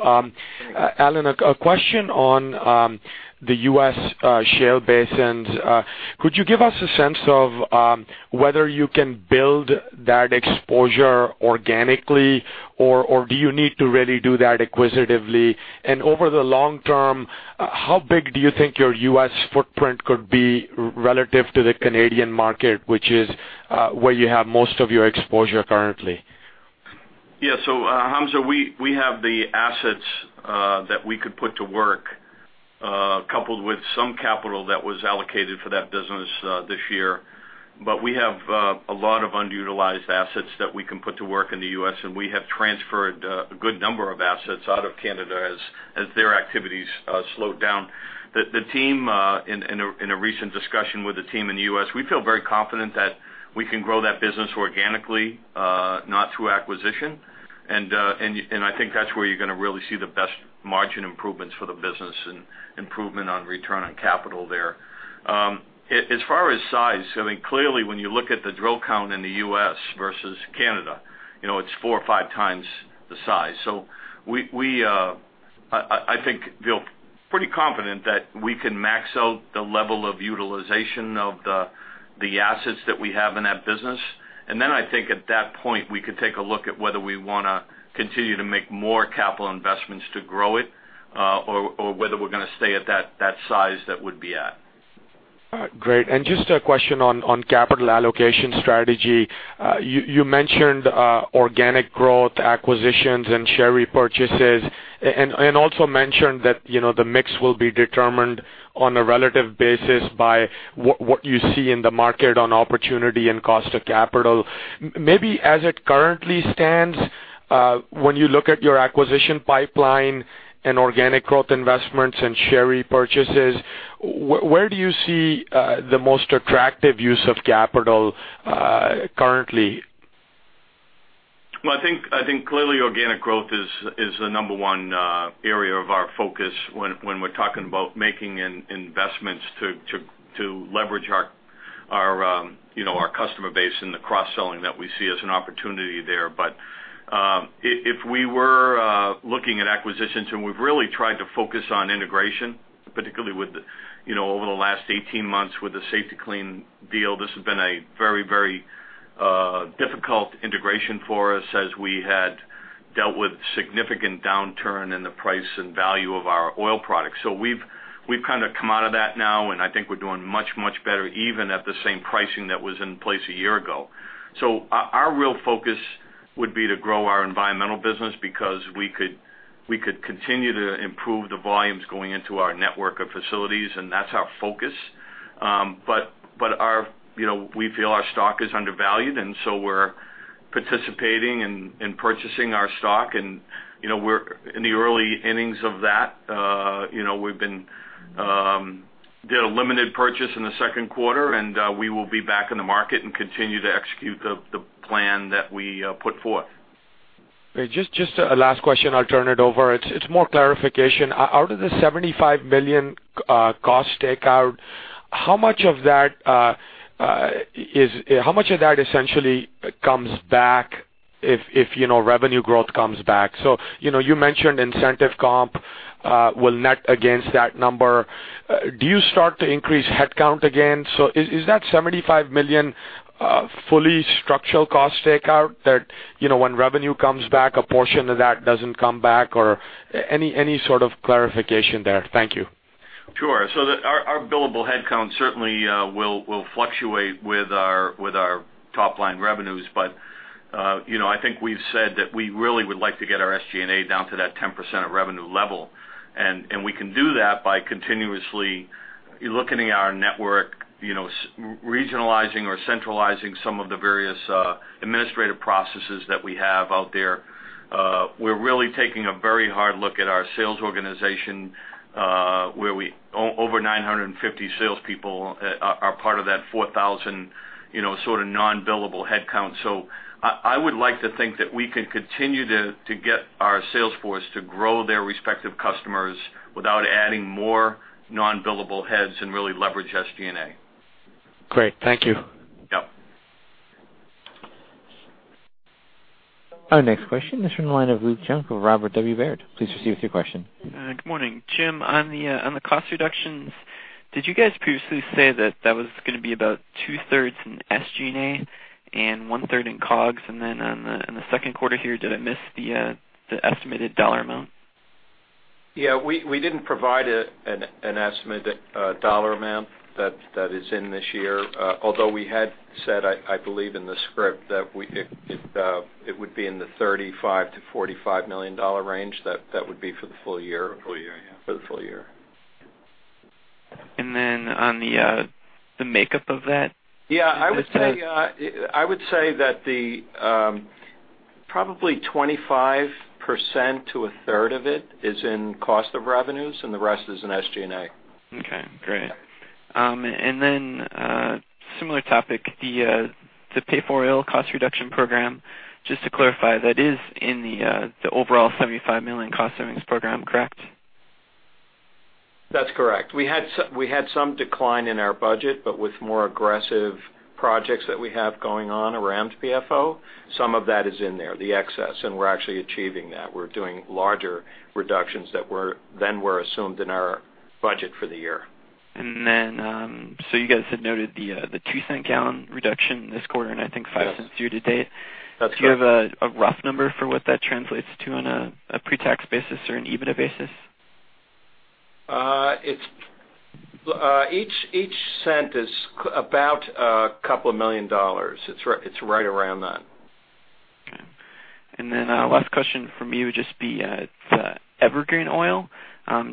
Alan, a question on the U.S. shale basins. Could you give us a sense of whether you can build that exposure organically, or do you need to really do that acquisitively? And over the long term, how big do you think your U.S. footprint could be relative to the Canadian market, which is where you have most of your exposure currently? Yeah. So Hamzah, we have the assets that we could put to work, coupled with some capital that was allocated for that business this year. But we have a lot of underutilized assets that we can put to work in the U.S., and we have transferred a good number of assets out of Canada as their activities slowed down. The team, in a recent discussion with the team in the U.S., we feel very confident that we can grow that business organically, not through acquisition. And I think that's where you're going to really see the best margin improvements for the business and improvement on return on capital there. As far as size, I mean, clearly when you look at the drill count in the U.S. versus Canada, it's four or five times the size. I think we're pretty confident that we can max out the level of utilization of the assets that we have in that business. Then I think at that point, we could take a look at whether we want to continue to make more capital investments to grow it or whether we're going to stay at that size that would be at. Great. Just a question on capital allocation strategy. You mentioned organic growth, acquisitions, and share repurchases, and also mentioned that the mix will be determined on a relative basis by what you see in the market on opportunity and cost of capital. Maybe as it currently stands, when you look at your acquisition pipeline and organic growth investments and share repurchases, where do you see the most attractive use of capital currently? Well, I think clearly organic growth is the number one area of our focus when we're talking about making investments to leverage our customer base and the cross-selling that we see as an opportunity there. But if we were looking at acquisitions, and we've really tried to focus on integration, particularly over the last 18 months with the Safety-Kleen deal, this has been a very, very difficult integration for us as we had dealt with significant downturn in the price and value of our oil products. So we've kind of come out of that now, and I think we're doing much, much better even at the same pricing that was in place a year ago. So our real focus would be to grow our environmental business because we could continue to improve the volumes going into our network of facilities, and that's our focus. But we feel our stock is undervalued, and so we're participating in purchasing our stock. And we're in the early innings of that. We did a limited purchase in the second quarter, and we will be back in the market and continue to execute the plan that we put forth. Just a last question. I'll turn it over. It's more clarification. Out of the $75 million cost takeout, how much of that is how much of that essentially comes back if revenue growth comes back? So you mentioned incentive comp will net against that number. Do you start to increase headcount again? So is that $75 million fully structural cost takeout that when revenue comes back, a portion of that doesn't come back, or any sort of clarification there? Thank you. Sure. Our billable headcount certainly will fluctuate with our top-line revenues, but I think we've said that we really would like to get our SG&A down to that 10% of revenue level. We can do that by continuously looking at our network, regionalizing or centralizing some of the various administrative processes that we have out there. We're really taking a very hard look at our sales organization where over 950 salespeople are part of that 4,000 sort of non-billable headcount. I would like to think that we can continue to get our salesforce to grow their respective customers without adding more non-billable heads and really leverage SG&A. Great. Thank you. Yep. Our next question is from the line of Luke Junk of Robert W. Baird. Please proceed with your question. Good morning. Jim, on the cost reductions, did you guys previously say that that was going to be about two-thirds in SG&A and one-third in COGS, and then in the second quarter here, did I miss the estimated dollar amount? Yeah. We didn't provide an estimated dollar amount that is in this year, although we had said, I believe, in the script that it would be in the $35 million-$45 million range that would be for the full year. For the full year, yeah. For the full year. And then on the makeup of that, what's that? Yeah. I would say that probably 25% to a third of it is in cost of revenues, and the rest is in SG&A. Okay. Great. And then similar topic, the Pay-for-Oil cost reduction program, just to clarify, that is in the overall $75 million cost savings program, correct? That's correct. We had some decline in our budget, but with more aggressive projects that we have going on around PFO, some of that is in there, the excess, and we're actually achieving that. We're doing larger reductions that then were assumed in our budget for the year. You guys had noted the $0.02/gallon reduction this quarter and, I think, $0.05 year to date. Yes. That's correct. Do you have a rough number for what that translates to on a pre-tax basis or an EBITDA basis? Each cent is about a couple of $1 million. It's right around that. Okay. And then last question from me would just be the Evergreen Oil,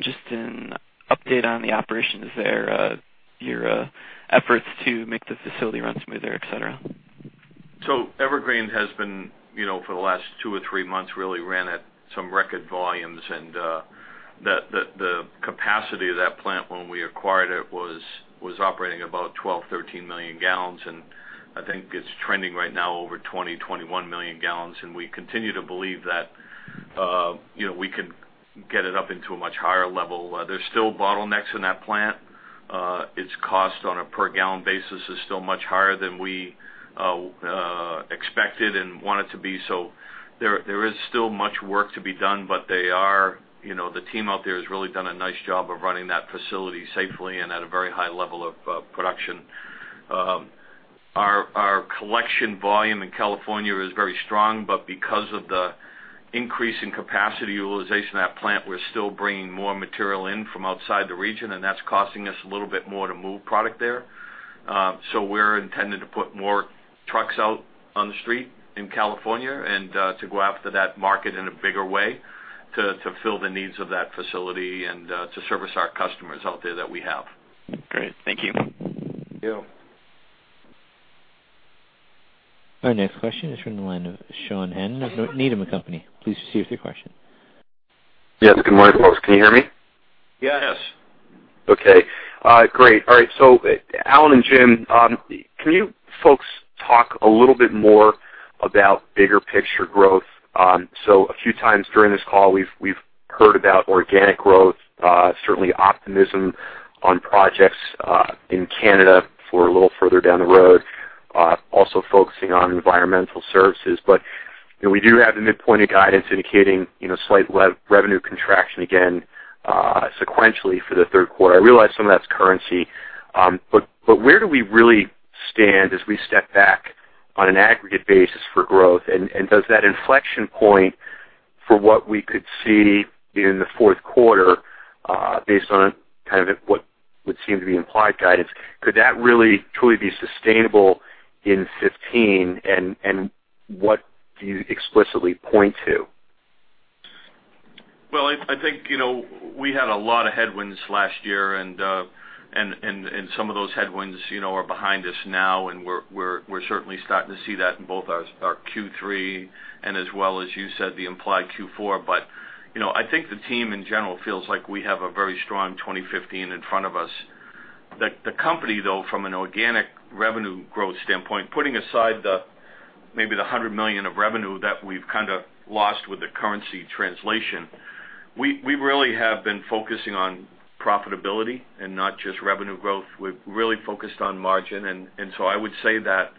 just an update on the operations there, your efforts to make the facility run smoother, etc. So Evergreen has been, for the last two or three months, really ran at some record volumes, and the capacity of that plant when we acquired it was operating about 12-13 million gallons. And I think it's trending right now over 20-21 million gallons. And we continue to believe that we can get it up into a much higher level. There's still bottlenecks in that plant. Its cost on a per-gallon basis is still much higher than we expected and want it to be. So there is still much work to be done, but the team out there has really done a nice job of running that facility safely and at a very high level of production. Our collection volume in California is very strong, but because of the increase in capacity utilization of that plant, we're still bringing more material in from outside the region, and that's costing us a little bit more to move product there. So we're intending to put more trucks out on the street in California and to go after that market in a bigger way to fill the needs of that facility and to service our customers out there that we have. Great. Thank you. Thank you. Our next question is from the line of Sean Hannan of Needham & Company. Please proceed with your question. Yes. Good morning, folks. Can you hear me? Yeah. Yes. Okay. Great. All right. So Alan and Jim, can you folks talk a little bit more about bigger picture growth? So a few times during this call, we've heard about organic growth, certainly optimism on projects in Canada for a little further down the road, also focusing on environmental services. But we do have the midpoint of guidance indicating slight revenue contraction again sequentially for the third quarter. I realize some of that's currency. But where do we really stand as we step back on an aggregate basis for growth? And does that inflection point for what we could see in the fourth quarter, based on kind of what would seem to be implied guidance, could that really truly be sustainable in 2015? And what do you explicitly point to? Well, I think we had a lot of headwinds last year, and some of those headwinds are behind us now. We're certainly starting to see that in both our Q3 and, as well as you said, the implied Q4. I think the team in general feels like we have a very strong 2015 in front of us. The company, though, from an organic revenue growth standpoint, putting aside maybe the $100 million of revenue that we've kind of lost with the currency translation, we really have been focusing on profitability and not just revenue growth. We've really focused on margin. So I would say that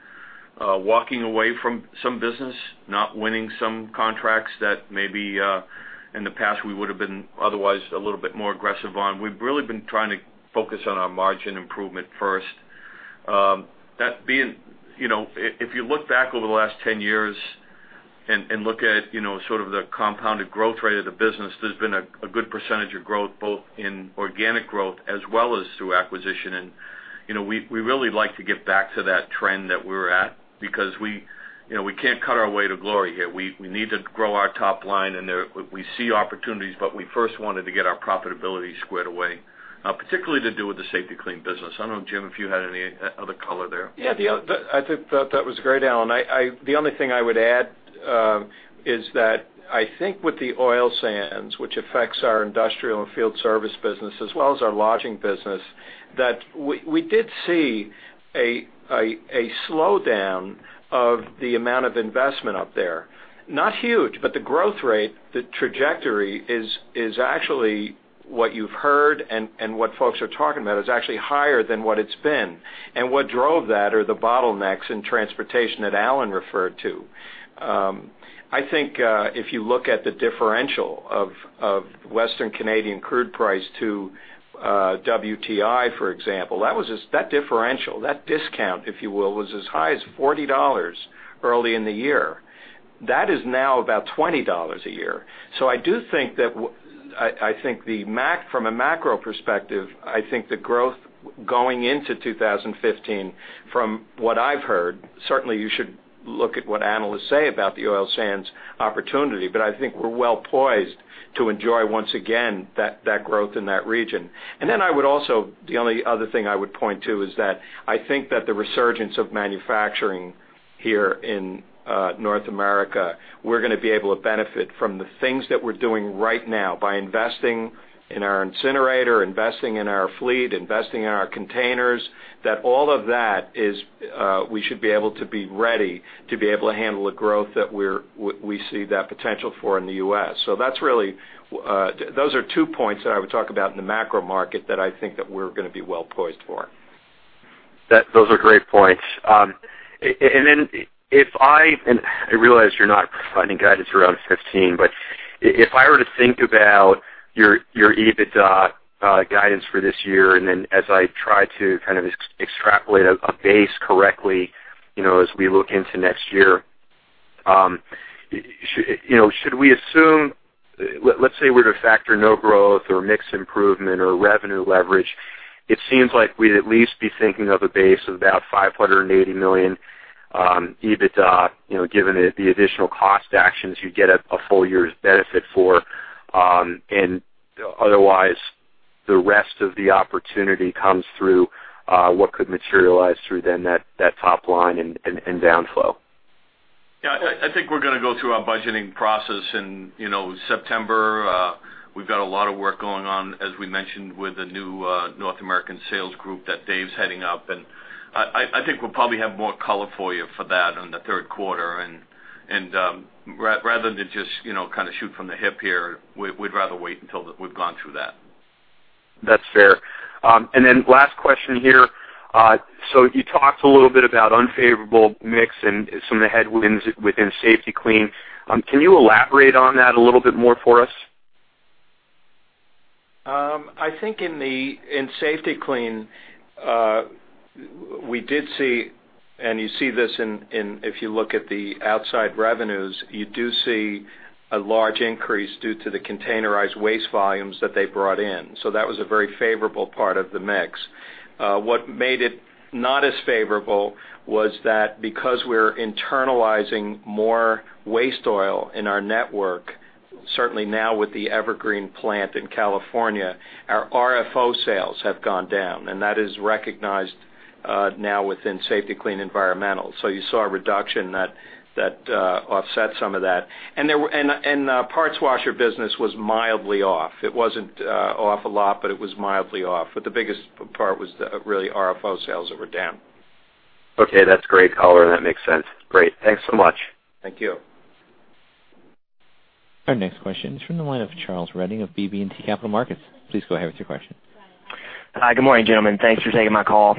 walking away from some business, not winning some contracts that maybe in the past we would have been otherwise a little bit more aggressive on, we've really been trying to focus on our margin improvement first. If you look back over the last 10 years and look at sort of the compounded growth rate of the business, there's been a good percentage of growth both in organic growth as well as through acquisition. We really like to get back to that trend that we're at because we can't cut our way to glory here. We need to grow our top line, and we see opportunities, but we first wanted to get our profitability squared away, particularly to do with the Safety-Kleen business. I don't know, Jim, if you had any other color there. Yeah. I think that was great, Alan. The only thing I would add is that I think with the oil sands, which affects our industrial and field service business as well as our lodging business, that we did see a slowdown of the amount of investment up there. Not huge, but the growth rate, the trajectory is actually what you've heard and what folks are talking about is actually higher than what it's been. And what drove that are the bottlenecks in transportation that Alan referred to. I think if you look at the differential of Western Canadian crude price to WTI, for example, that differential, that discount, if you will, was as high as $40 early in the year. That is now about $20 a year. I do think that I think from a macro perspective, I think the growth going into 2015, from what I've heard, certainly you should look at what analysts say about the oil sands opportunity, but I think we're well poised to enjoy once again that growth in that region. Then I would also the only other thing I would point to is that I think that the resurgence of manufacturing here in North America, we're going to be able to benefit from the things that we're doing right now by investing in our incinerator, investing in our fleet, investing in our containers, that all of that is we should be able to be ready to be able to handle the growth that we see that potential for in the U.S. So those are two points that I would talk about in the macro market that I think that we're going to be well poised for. Those are great points. And then if I and I realize you're not providing guidance around 2015, but if I were to think about your EBITDA guidance for this year, and then as I try to kind of extrapolate a base correctly as we look into next year, should we assume let's say we're to factor no growth or mixed improvement or revenue leverage, it seems like we'd at least be thinking of a base of about $580 million EBITDA, given the additional cost actions you'd get a full year's benefit for. And otherwise, the rest of the opportunity comes through what could materialize through then that top line and downflow. Yeah. I think we're going to go through our budgeting process in September. We've got a lot of work going on, as we mentioned, with the new North American sales group that Dave's heading up. I think we'll probably have more color for you for that in the third quarter. Rather than just kind of shoot from the hip here, we'd rather wait until we've gone through that. That's fair. And then last question here. So you talked a little bit about unfavorable mix and some of the headwinds within Safety-Kleen. Can you elaborate on that a little bit more for us? I think in Safety-Kleen, we did see and you see this if you look at the outside revenues, you do see a large increase due to the containerized waste volumes that they brought in. So that was a very favorable part of the mix. What made it not as favorable was that because we're internalizing more waste oil in our network, certainly now with the Evergreen plant in California, our RFO sales have gone down, and that is recognized now within Safety-Kleen Environmental. So you saw a reduction that offset some of that. And the parts washer business was mildly off. It wasn't off a lot, but it was mildly off. But the biggest part was really RFO sales that were down. Okay. That's great color. That makes sense. Great. Thanks so much. Thank you. Our next question is from the line of Charles Redding of BB&T Capital Markets. Please go ahead with your question. Hi. Good morning, gentlemen. Thanks for taking my call.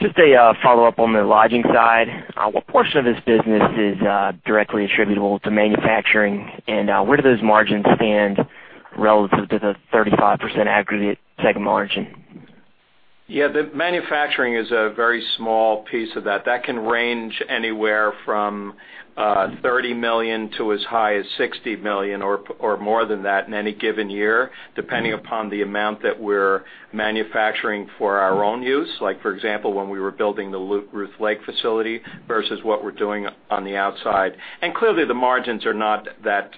Just a follow-up on the lodging side. What portion of this business is directly attributable to manufacturing, and where do those margins stand relative to the 35% aggregate segment margin? Yeah. The manufacturing is a very small piece of that. That can range anywhere from $30 million to as high as $60 million or more than that in any given year, depending upon the amount that we're manufacturing for our own use, like for example, when we were building the Ruth Lake facility versus what we're doing on the outside. And clearly, the margins are not that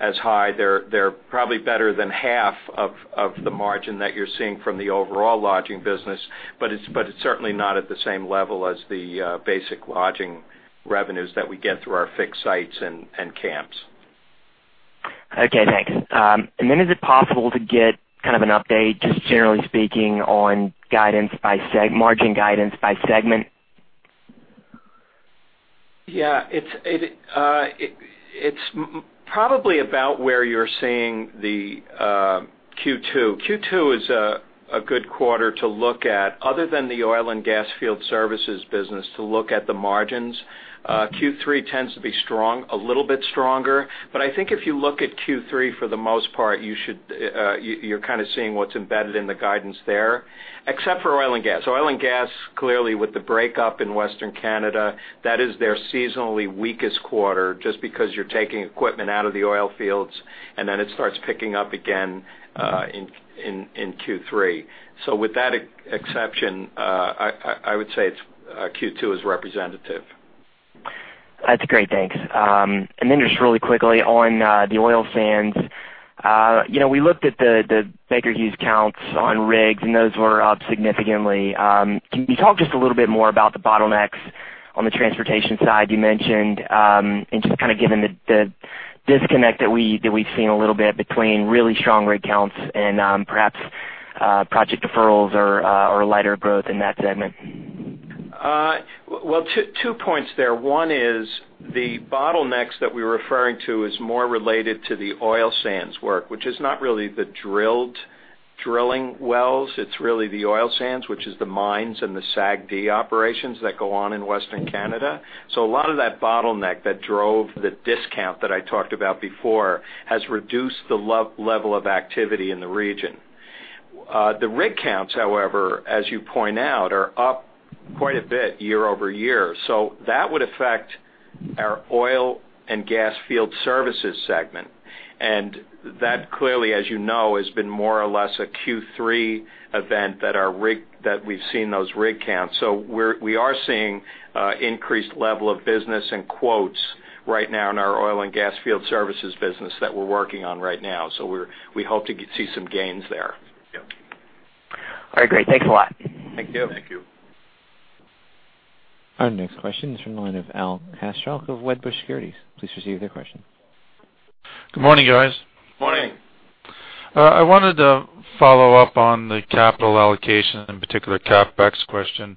as high. They're probably better than half of the margin that you're seeing from the overall lodging business, but it's certainly not at the same level as the basic lodging revenues that we get through our fixed sites and camps. Okay. Thanks. And then is it possible to get kind of an update, just generally speaking, on margin guidance by segment? Yeah. It's probably about where you're seeing the Q2. Q2 is a good quarter to look at, other than the oil and gas field services business, to look at the margins. Q3 tends to be strong, a little bit stronger. But I think if you look at Q3, for the most part, you're kind of seeing what's embedded in the guidance there, except for oil and gas. Oil and gas, clearly, with the breakup in Western Canada, that is their seasonally weakest quarter just because you're taking equipment out of the oil fields, and then it starts picking up again in Q3. So with that exception, I would say Q2 is representative. That's great. Thanks. And then just really quickly on the oil sands, we looked at the Baker Hughes rig counts, and those were up significantly. Can you talk just a little bit more about the bottlenecks on the transportation side you mentioned and just kind of given the disconnect that we've seen a little bit between really strong rig counts and perhaps project deferrals or lighter growth in that segment? Well, two points there. One is the bottlenecks that we were referring to is more related to the oil sands work, which is not really the drilled drilling wells. It's really the oil sands, which is the mines and the SAGD operations that go on in Western Canada. So a lot of that bottleneck that drove the discount that I talked about before has reduced the level of activity in the region. The rig counts, however, as you point out, are up quite a bit year-over-year. So that would affect our oil and gas field services segment. And that, clearly, as you know, has been more or less a Q3 event that we've seen those rig counts. So we are seeing an increased level of business and quotes right now in our oil and gas field services business that we're working on right now. So we hope to see some gains there. Yep. All right. Great. Thanks a lot. Thank you. Thank you. Our next question is from the line of Al Kaschalk of Wedbush Securities. Please proceed with your question. Good morning, guys. Good morning. I wanted to follow up on the capital allocation, in particular, CapEx question.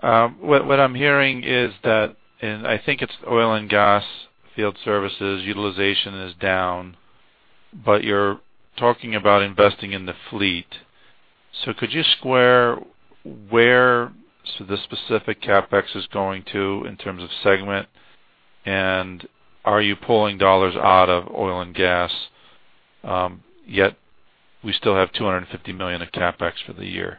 What I'm hearing is that, and I think it's oil and gas field services utilization is down, but you're talking about investing in the fleet. So could you square where the specific CapEx is going to in terms of segment? And are you pulling dollars out of oil and gas yet? We still have $250 million of CapEx for the year.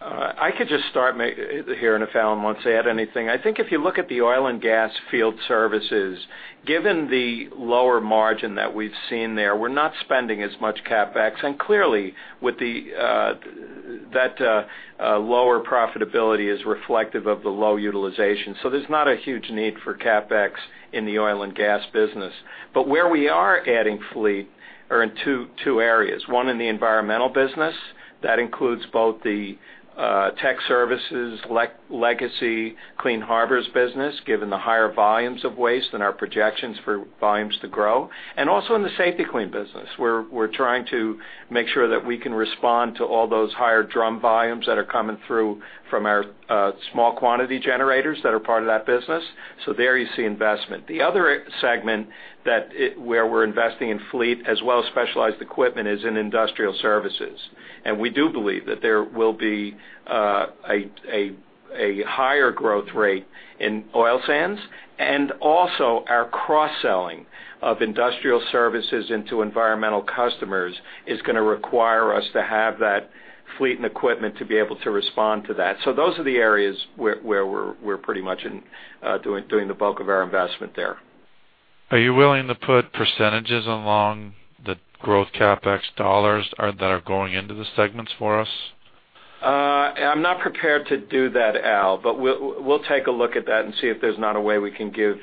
I could just start here and if Alan wants to add anything. I think if you look at the oil and gas field services, given the lower margin that we've seen there, we're not spending as much CapEx. And clearly, that lower profitability is reflective of the low utilization. So there's not a huge need for CapEx in the oil and gas business. But where we are adding fleet are in two areas. One in the environmental business. That includes both the tech services, legacy Clean Harbors business, given the higher volumes of waste and our projections for volumes to grow. And also in the Safety-Kleen business, we're trying to make sure that we can respond to all those higher drum volumes that are coming through from our small quantity generators that are part of that business. So there you see investment. The other segment where we're investing in fleet as well as specialized equipment is in industrial services. We do believe that there will be a higher growth rate in oil sands. Also, our cross-selling of industrial services into environmental customers is going to require us to have that fleet and equipment to be able to respond to that. Those are the areas where we're pretty much doing the bulk of our investment there. Are you willing to put percentages along the growth CapEx dollars that are going into the segments for us? I'm not prepared to do that, Al, but we'll take a look at that and see if there's not a way we can give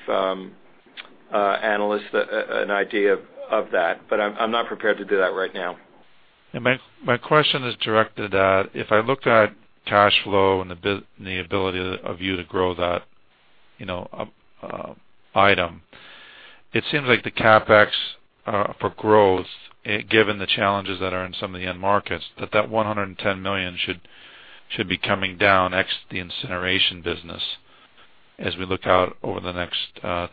analysts an idea of that. But I'm not prepared to do that right now. My question is directed at if I looked at cash flow and the ability of you to grow that item, it seems like the CapEx for growth, given the challenges that are in some of the end markets, that that $110 million should be coming down next to the incineration business as we look out over the next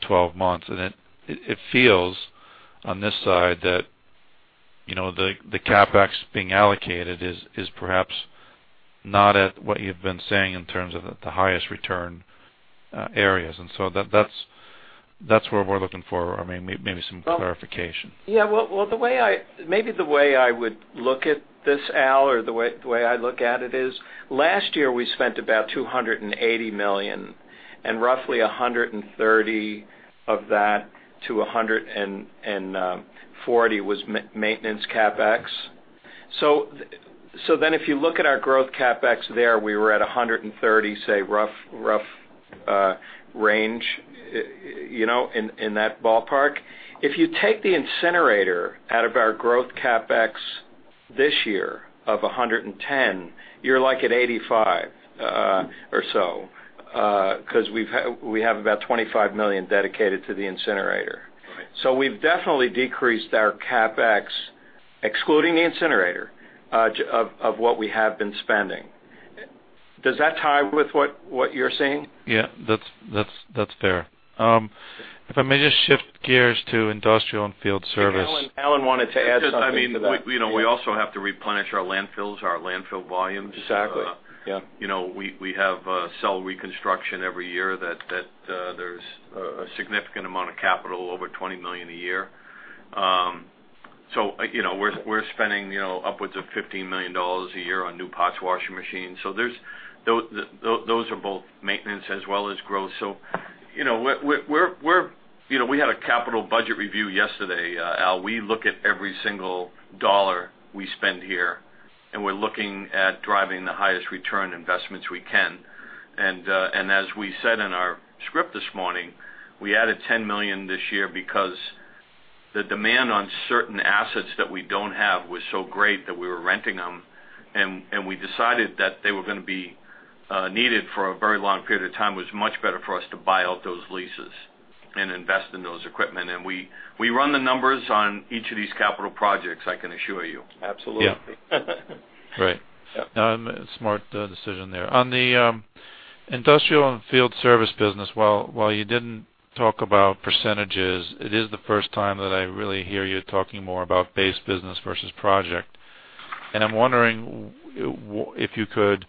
12 months. And it feels on this side that the CapEx being allocated is perhaps not at what you've been saying in terms of the highest return areas. And so that's where we're looking for, I mean, maybe some clarification. Yeah. Well, maybe the way I would look at this, Al, or the way I look at it is last year, we spent about $280 million, and roughly $130-$140 of that was maintenance CapEx. So then if you look at our growth CapEx there, we were at $130, say, rough range in that ballpark. If you take the incinerator out of our growth CapEx this year of $110, you're like at 85 or so because we have about $25 million dedicated to the incinerator. So we've definitely decreased our CapEx, excluding the incinerator, of what we have been spending. Does that tie with what you're seeing? Yeah. That's fair. If I may just shift gears to industrial and field service. Alan wanted to add something to that. I mean, we also have to replenish our landfills, our landfill volumes. Exactly. Yeah. We have cell reconstruction every year. There's a significant amount of capital, over $20 million a year. So we're spending upwards of $15 million a year on new parts washing machines. So those are both maintenance as well as growth. So we had a capital budget review yesterday, Al. We look at every single dollar we spend here, and we're looking at driving the highest return investments we can. And as we said in our script this morning, we added $10 million this year because the demand on certain assets that we don't have was so great that we were renting them. And we decided that they were going to be needed for a very long period of time. It was much better for us to buy out those leases and invest in those equipment. And we run the numbers on each of these capital projects, I can assure you. Absolutely. Yeah. Right. Smart decision there. On the industrial and field service business, while you didn't talk about percentages, it is the first time that I really hear you talking more about base business versus project. And I'm wondering if you could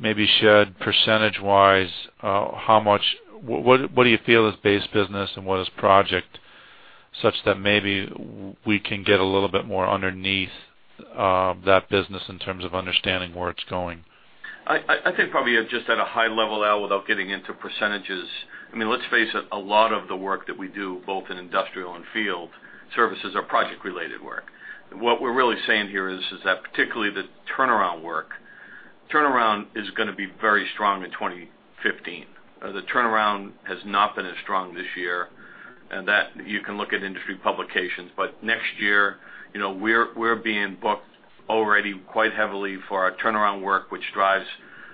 maybe shed percentage-wise how much, what do you feel is base business and what is project, such that maybe we can get a little bit more underneath that business in terms of understanding where it's going? I think probably just at a high level, Al, without getting into percentages, I mean, let's face it, a lot of the work that we do, both in industrial and field services, are project-related work. What we're really saying here is that particularly the turnaround work, turnaround is going to be very strong in 2015. The turnaround has not been as strong this year. You can look at industry publications. Next year, we're being booked already quite heavily for our turnaround work, which drives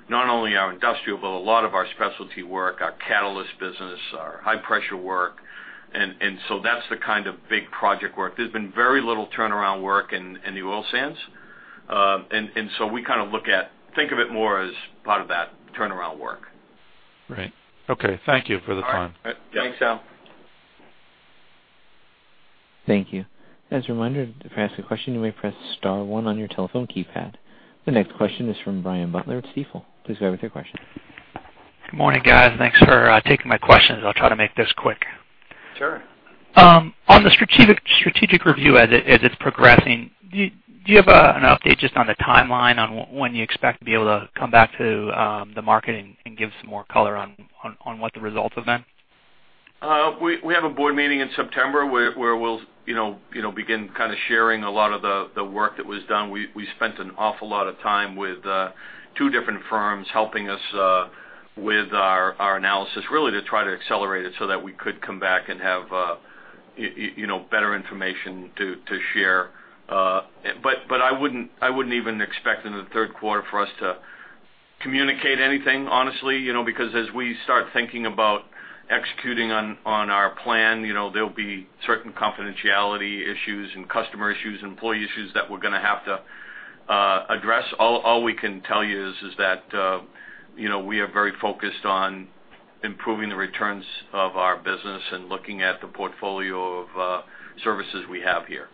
not only our industrial, but a lot of our specialty work, our catalyst business, our high-pressure work. So that's the kind of big project work. There's been very little turnaround work in the oil sands. We kind of think of it more as part of that turnaround work. Right. Okay. Thank you for the time. Thanks, Al. Thank you. As a reminder, to ask a question, you may press star one on your telephone keypad. The next question is from Brian Butler at Stifel. Please go ahead with your question. Good morning, guys. Thanks for taking my questions. I'll try to make this quick. Sure. On the strategic review as it's progressing, do you have an update just on the timeline on when you expect to be able to come back to the market and give some more color on what the results have been? We have a board meeting in September where we'll begin kind of sharing a lot of the work that was done. We spent an awful lot of time with two different firms helping us with our analysis, really, to try to accelerate it so that we could come back and have better information to share. But I wouldn't even expect in the third quarter for us to communicate anything, honestly, because as we start thinking about executing on our plan, there'll be certain confidentiality issues and customer issues and employee issues that we're going to have to address. All we can tell you is that we are very focused on improving the returns of our business and looking at the portfolio of services we have here.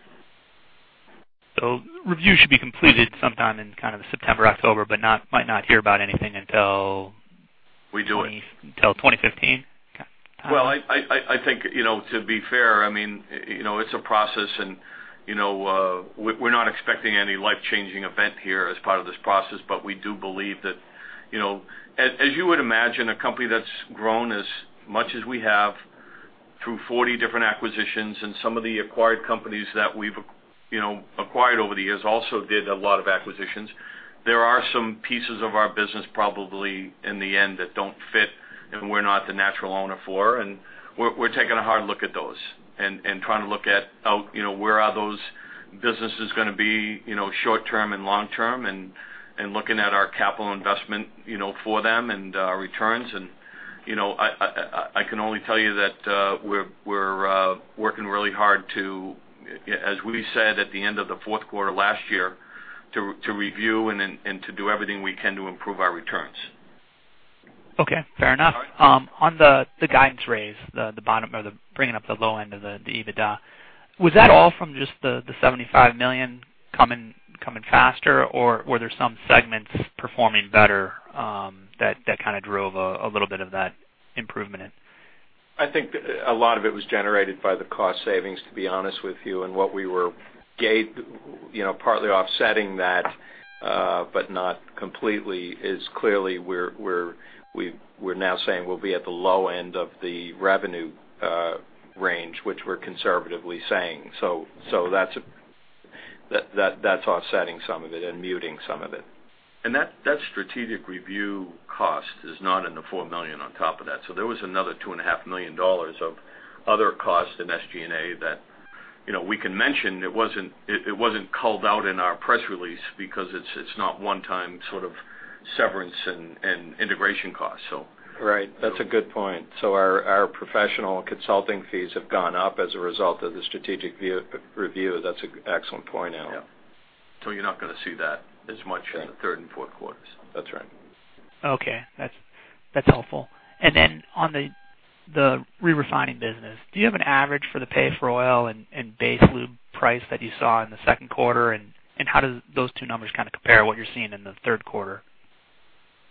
Review should be completed sometime in kind of September, October, but might not hear about anything until 2015? We do it. Well, I think, to be fair, I mean, it's a process, and we're not expecting any life-changing event here as part of this process. But we do believe that, as you would imagine, a company that's grown as much as we have through 40 different acquisitions, and some of the acquired companies that we've acquired over the years also did a lot of acquisitions, there are some pieces of our business probably in the end that don't fit, and we're not the natural owner for. And we're taking a hard look at those and trying to look at where are those businesses going to be short-term and long-term and looking at our capital investment for them and our returns. I can only tell you that we're working really hard to, as we said at the end of the fourth quarter last year, to review and to do everything we can to improve our returns. Okay. Fair enough. On the guidance raise, the bottom or the bringing up the low end of the EBITDA, was that all from just the $75 million coming faster, or were there some segments performing better that kind of drove a little bit of that improvement? I think a lot of it was generated by the cost savings, to be honest with you, and what we were partly offsetting that, but not completely. Clearly, we're now saying we'll be at the low end of the revenue range, which we're conservatively saying. So that's offsetting some of it and muting some of it. And that strategic review cost is not in the $4 million on top of that. So there was another $2.5 million of other costs in SG&A that we can mention. It wasn't called out in our press release because it's not one-time sort of severance and integration costs, so. Right. That's a good point. So our professional consulting fees have gone up as a result of the strategic review. That's an excellent point, Al. Yeah. So you're not going to see that as much in the third and fourth quarters. That's right. Okay. That's helpful. And then on the re-refining business, do you have an average for the pay-for-oil and base lube price that you saw in the second quarter? And how do those two numbers kind of compare what you're seeing in the third quarter?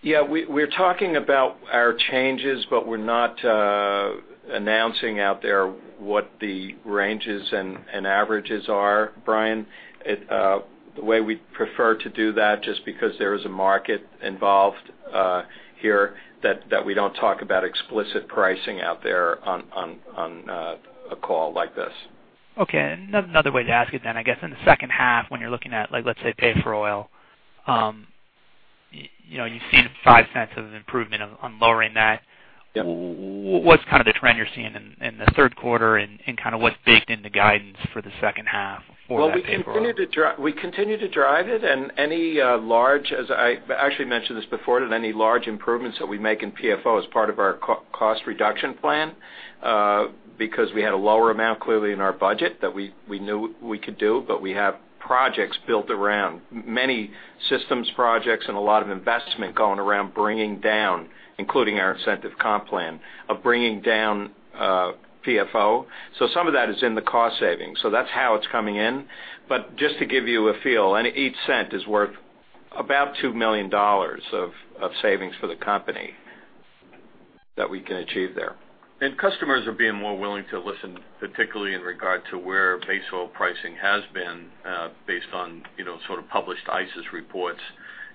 Yeah. We're talking about our changes, but we're not announcing out there what the ranges and averages are, Brian. The way we prefer to do that, just because there is a market involved here, that we don't talk about explicit pricing out there on a call like this. Okay. Another way to ask it then, I guess, in the second half, when you're looking at, let's say, pay-for-oil, you've seen $0.05 of improvement on lowering that. What's kind of the trend you're seeing in the third quarter and kind of what's baked into guidance for the second half or the pay-for-oil? Well, we continue to drive it. And I actually mentioned this before, that any large improvements that we make in PFO as part of our cost reduction plan, because we had a lower amount clearly in our budget that we knew we could do, but we have projects built around many systems projects and a lot of investment going around bringing down, including our incentive comp plan, of bringing down PFO. So some of that is in the cost savings. So that's how it's coming in. But just to give you a feel, and each cent is worth about $2 million of savings for the company that we can achieve there. And customers are being more willing to listen, particularly in regard to where base oil pricing has been based on sort of published ICIS reports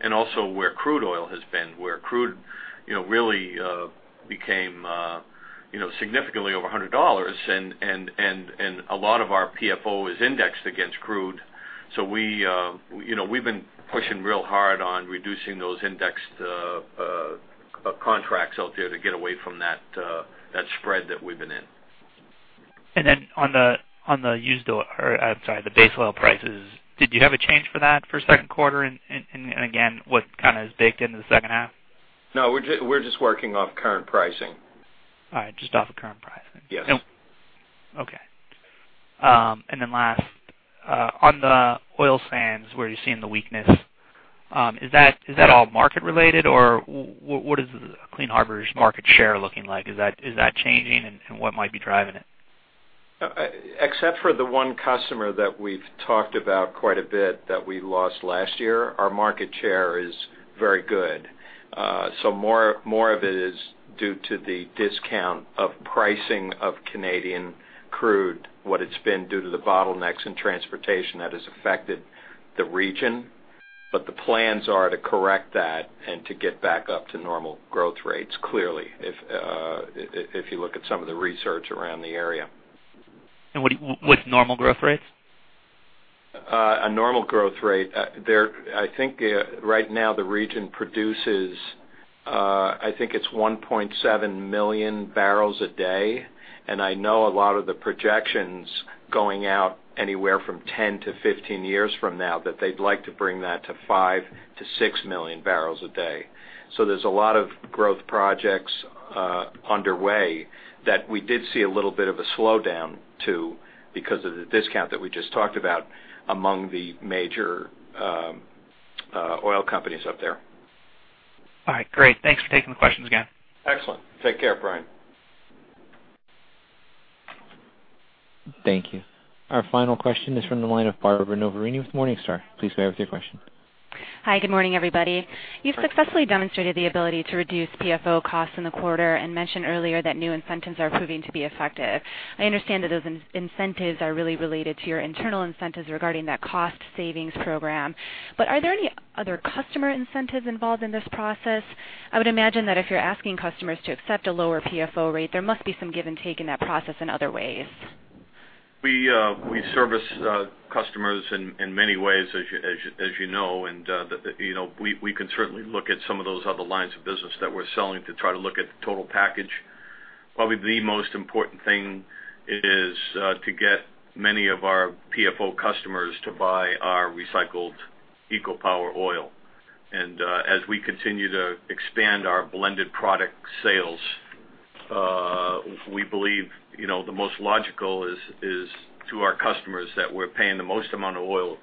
and also where crude oil has been, where crude really became significantly over $100. A lot of our PFO is indexed against crude. So we've been pushing real hard on reducing those indexed contracts out there to get away from that spread that we've been in. And then on the used oil or, I'm sorry, the base oil prices, did you have a change for that for second quarter? And again, what kind of is baked into the second half? No. We're just working off current pricing. All right. Just off of current pricing. Yes. Okay. And then last, on the oil sands, where you're seeing the weakness, is that all market-related, or what is Clean Harbors' market share looking like? Is that changing, and what might be driving it? Except for the one customer that we've talked about quite a bit that we lost last year, our market share is very good. So more of it is due to the discount of pricing of Canadian crude, what it's been due to the bottlenecks in transportation that has affected the region. But the plans are to correct that and to get back up to normal growth rates, clearly, if you look at some of the research around the area. What's normal growth rates? A normal growth rate, I think right now the region produces, I think it's 1.7 million barrels a day. I know a lot of the projections going out anywhere from 10-15 years from now that they'd like to bring that to 5-6 million barrels a day. There's a lot of growth projects underway that we did see a little bit of a slowdown to because of the discount that we just talked about among the major oil companies up there. All right. Great. Thanks for taking the questions again. Excellent. Take care, Brian. Thank you. Our final question is from the line of Barbara Noverini with Morningstar. Please go ahead with your question. Hi. Good morning, everybody. You've successfully demonstrated the ability to reduce PFO costs in the quarter and mentioned earlier that new incentives are proving to be effective. I understand that those incentives are really related to your internal incentives regarding that cost savings program. Are there any other customer incentives involved in this process? I would imagine that if you're asking customers to accept a lower PFO rate, there must be some give and take in that process in other ways. We service customers in many ways, as you know. And we can certainly look at some of those other lines of business that we're selling to try to look at the total package. Probably the most important thing is to get many of our PFO customers to buy our recycled EcoPower oil. And as we continue to expand our blended product sales, we believe the most logical is to our customers that we're paying the most amount of oil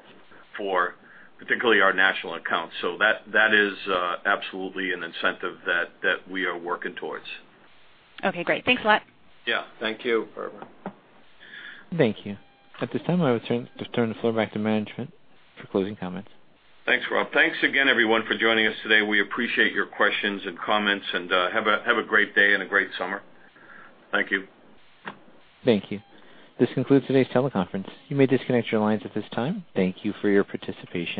for, particularly our national accounts. So that is absolutely an incentive that we are working towards. Okay. Great. Thanks a lot. Yeah. Thank you, Barbara. Thank you. At this time, I will turn the floor back to management for closing comments. Thanks, Rob. Thanks again, everyone, for joining us today. We appreciate your questions and comments. Have a great day and a great summer. Thank you. Thank you. This concludes today's teleconference. You may disconnect your lines at this time. Thank you for your participation.